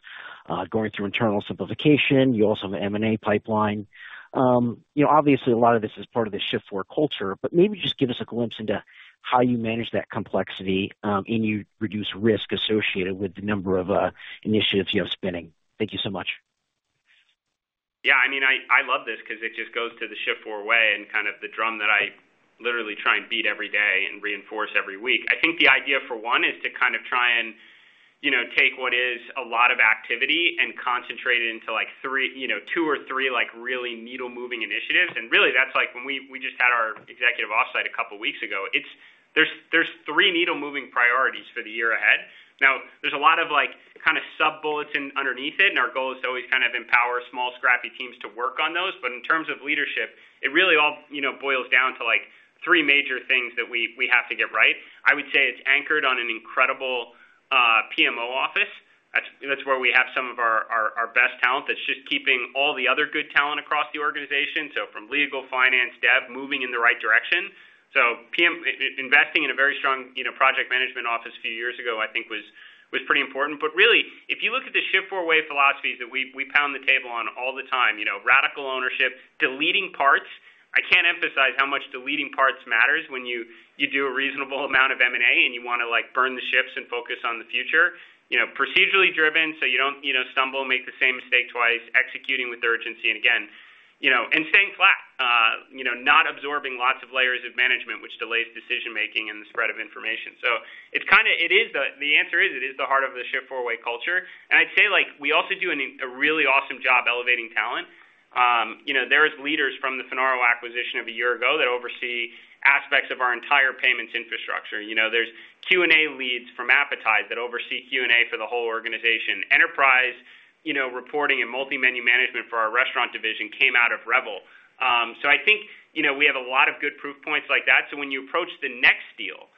going through internal simplification. You also have an M&A pipeline. Obviously, a lot of this is part of the Shift4 culture, but maybe just give us a glimpse into how you manage that complexity and you reduce risk associated with the number of initiatives you have spinning. Thank you so much. Yeah. I mean, I love this because it just goes to the Shift4 way and kind of the drum that I literally try and beat every day and reinforce every week. I think the idea for one is to kind of try and take what is a lot of activity and concentrate it into two or three really needle-moving initiatives, and really, that's like when we just had our executive offsite a couple of weeks ago. There's three needle-moving priorities for the year ahead. Now, there's a lot of kind of sub-bullets underneath it, and our goal is to always kind of empower small, scrappy teams to work on those. But in terms of leadership, it really all boils down to three major things that we have to get right. I would say it's anchored on an incredible PMO office. That's where we have some of our best talent that's just keeping all the other good talent across the organization, so from legal, finance, dev, moving in the right direction, so investing in a very strong project management office a few years ago, I think, was pretty important. But really, if you look at the Shift4 way philosophies that we pound the table on all the time, radical ownership, deleting parts, I can't emphasize how much deleting parts matters when you do a reasonable amount of M&A and you want to burn the ships and focus on the future. Procedurally driven so you don't stumble, make the same mistake twice, executing with urgency and again, and staying flat, not absorbing lots of layers of management, which delays decision-making and the spread of information. So it is the answer is it is the heart of the Shift4 way culture. And I'd say we also do a really awesome job elevating talent. There are leaders from the Finaro acquisition of a year ago that oversee aspects of our entire payments infrastructure. There's QA leads from Appetize that oversee QA for the whole organization. Enterprise reporting and multi-menu management for our restaurant division came out of Rebel. So I think we have a lot of good proof points like that. So when you approach the next deal,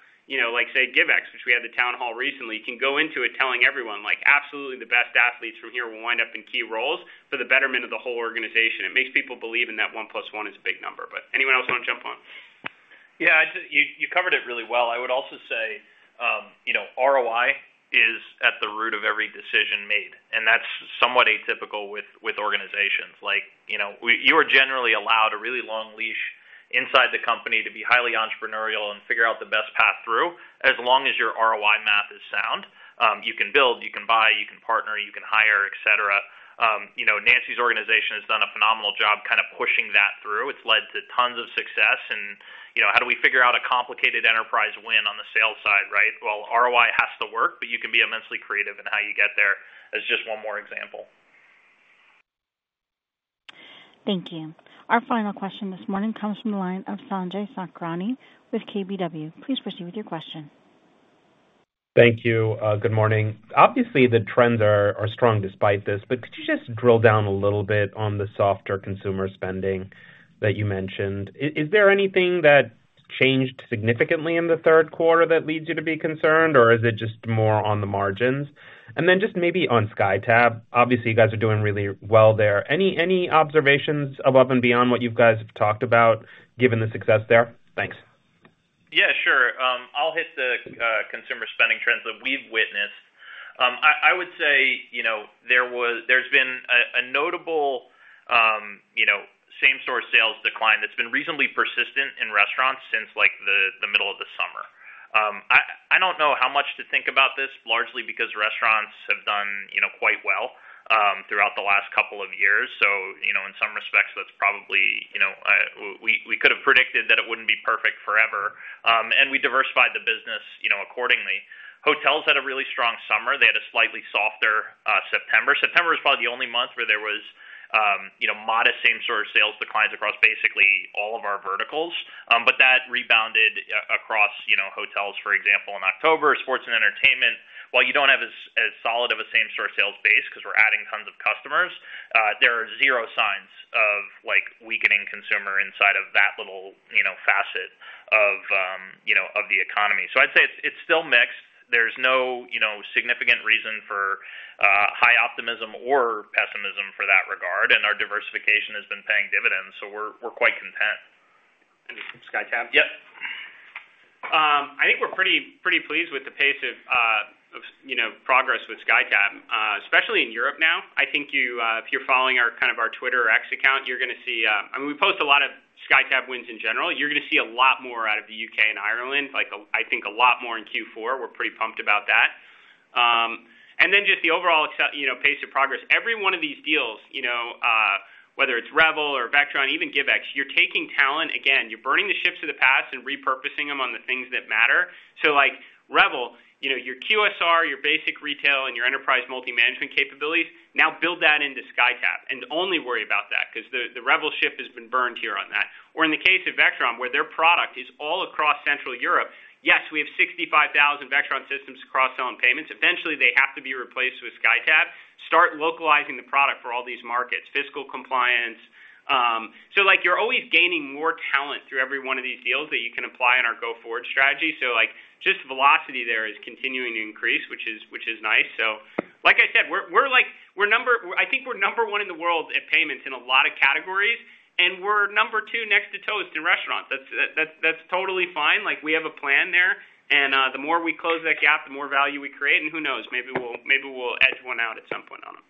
like say, Givex, which we had the town hall recently, you can go into it telling everyone, "Absolutely the best athletes from here will wind up in key roles for the betterment of the whole organization." It makes people believe in that one plus one is a big number. But anyone else want to jump on? Yeah. You covered it really well. I would also say ROI is at the root of every decision made. And that's somewhat atypical with organizations. You are generally allowed a really long leash inside the company to be highly entrepreneurial and figure out the best path through as long as your ROI math is sound. You can build, you can buy, you can partner, you can hire, etc. Nancy's organization has done a phenomenal job kind of pushing that through. It's led to tons of success, and how do we figure out a complicated enterprise win on the sales side, right? ROI has to work, but you can be immensely creative in how you get there as just one more example. Thank you. Our final question this morning comes from the line of Sanjay Sakhrani with KBW. Please proceed with your question. Thank you. Good morning. Obviously, the trends are strong despite this, but could you just drill down a little bit on the softer consumer spending that you mentioned? Is there anything that changed significantly in the third quarter that leads you to be concerned, or is it just more on the margins? And then just maybe on SkyTab, obviously, you guys are doing really well there. Any observations above and beyond what you guys have talked about given the success there? Thanks. Yeah, sure. I'll hit the consumer spending trends that we've witnessed. I would say there's been a notable same-store sales decline that's been reasonably persistent in restaurants since the middle of the summer. I don't know how much to think about this, largely because restaurants have done quite well throughout the last couple of years. So in some respects, that's probably we could have predicted that it wouldn't be perfect forever. And we diversified the business accordingly. Hotels had a really strong summer. They had a slightly softer September. September was probably the only month where there was modest same-store sales declines across basically all of our verticals. But that rebounded across hotels, for example, in October. Sports and entertainment, while you don't have as solid of a same-store sales base because we're adding tons of customers, there are zero signs of weakening consumer inside of that little facet of the economy. So I'd say it's still mixed. There's no significant reason for high optimism or pessimism for that regard. So we're quite content, and our diversification has been paying dividends. SkyTab? Yep. I think we're pretty pleased with the pace of progress with SkyTab, especially in Europe now. I think if you're following kind of our Twitter or X account, you're going to see I mean, we post a lot of SkyTab wins in general. You're going to see a lot more out of the UK and Ireland, I think a lot more in Q4. We're pretty pumped about that, and then just the overall pace of progress. Every one of these deals, whether it's Rebel or Vectron, even Givex, you're taking talent. Again, you're burning the ships of the past and repurposing them on the things that matter. So Rebel, your QSR, your basic retail, and your enterprise multi-management capabilities, now build that into SkyTab and only worry about that because the Rebel ship has been burned here on that. Or in the case of Vectron, where their product is all across Central Europe, yes, we have 65,000 Vectron systems cross-selling payments. Eventually, they have to be replaced with SkyTab. Start localizing the product for all these markets, fiscal compliance. So you're always gaining more talent through every one of these deals that you can apply in our go-forward strategy. So just velocity there is continuing to increase, which is nice. So like I said, I think we're number one in the world at payments in a lot of categories, and we're number two next to Toast in restaurants. That's totally fine. We have a plan there. And the more we close that gap, the more value we create. And who knows? Maybe we'll edge one out at some point on them.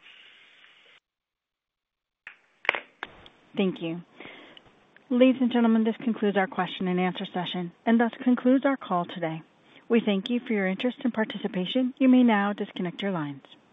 Thank you. Ladies and gentlemen, this concludes our question and answer session. And thus concludes our call today. We thank you for your interest and participation. You may now disconnect your lines.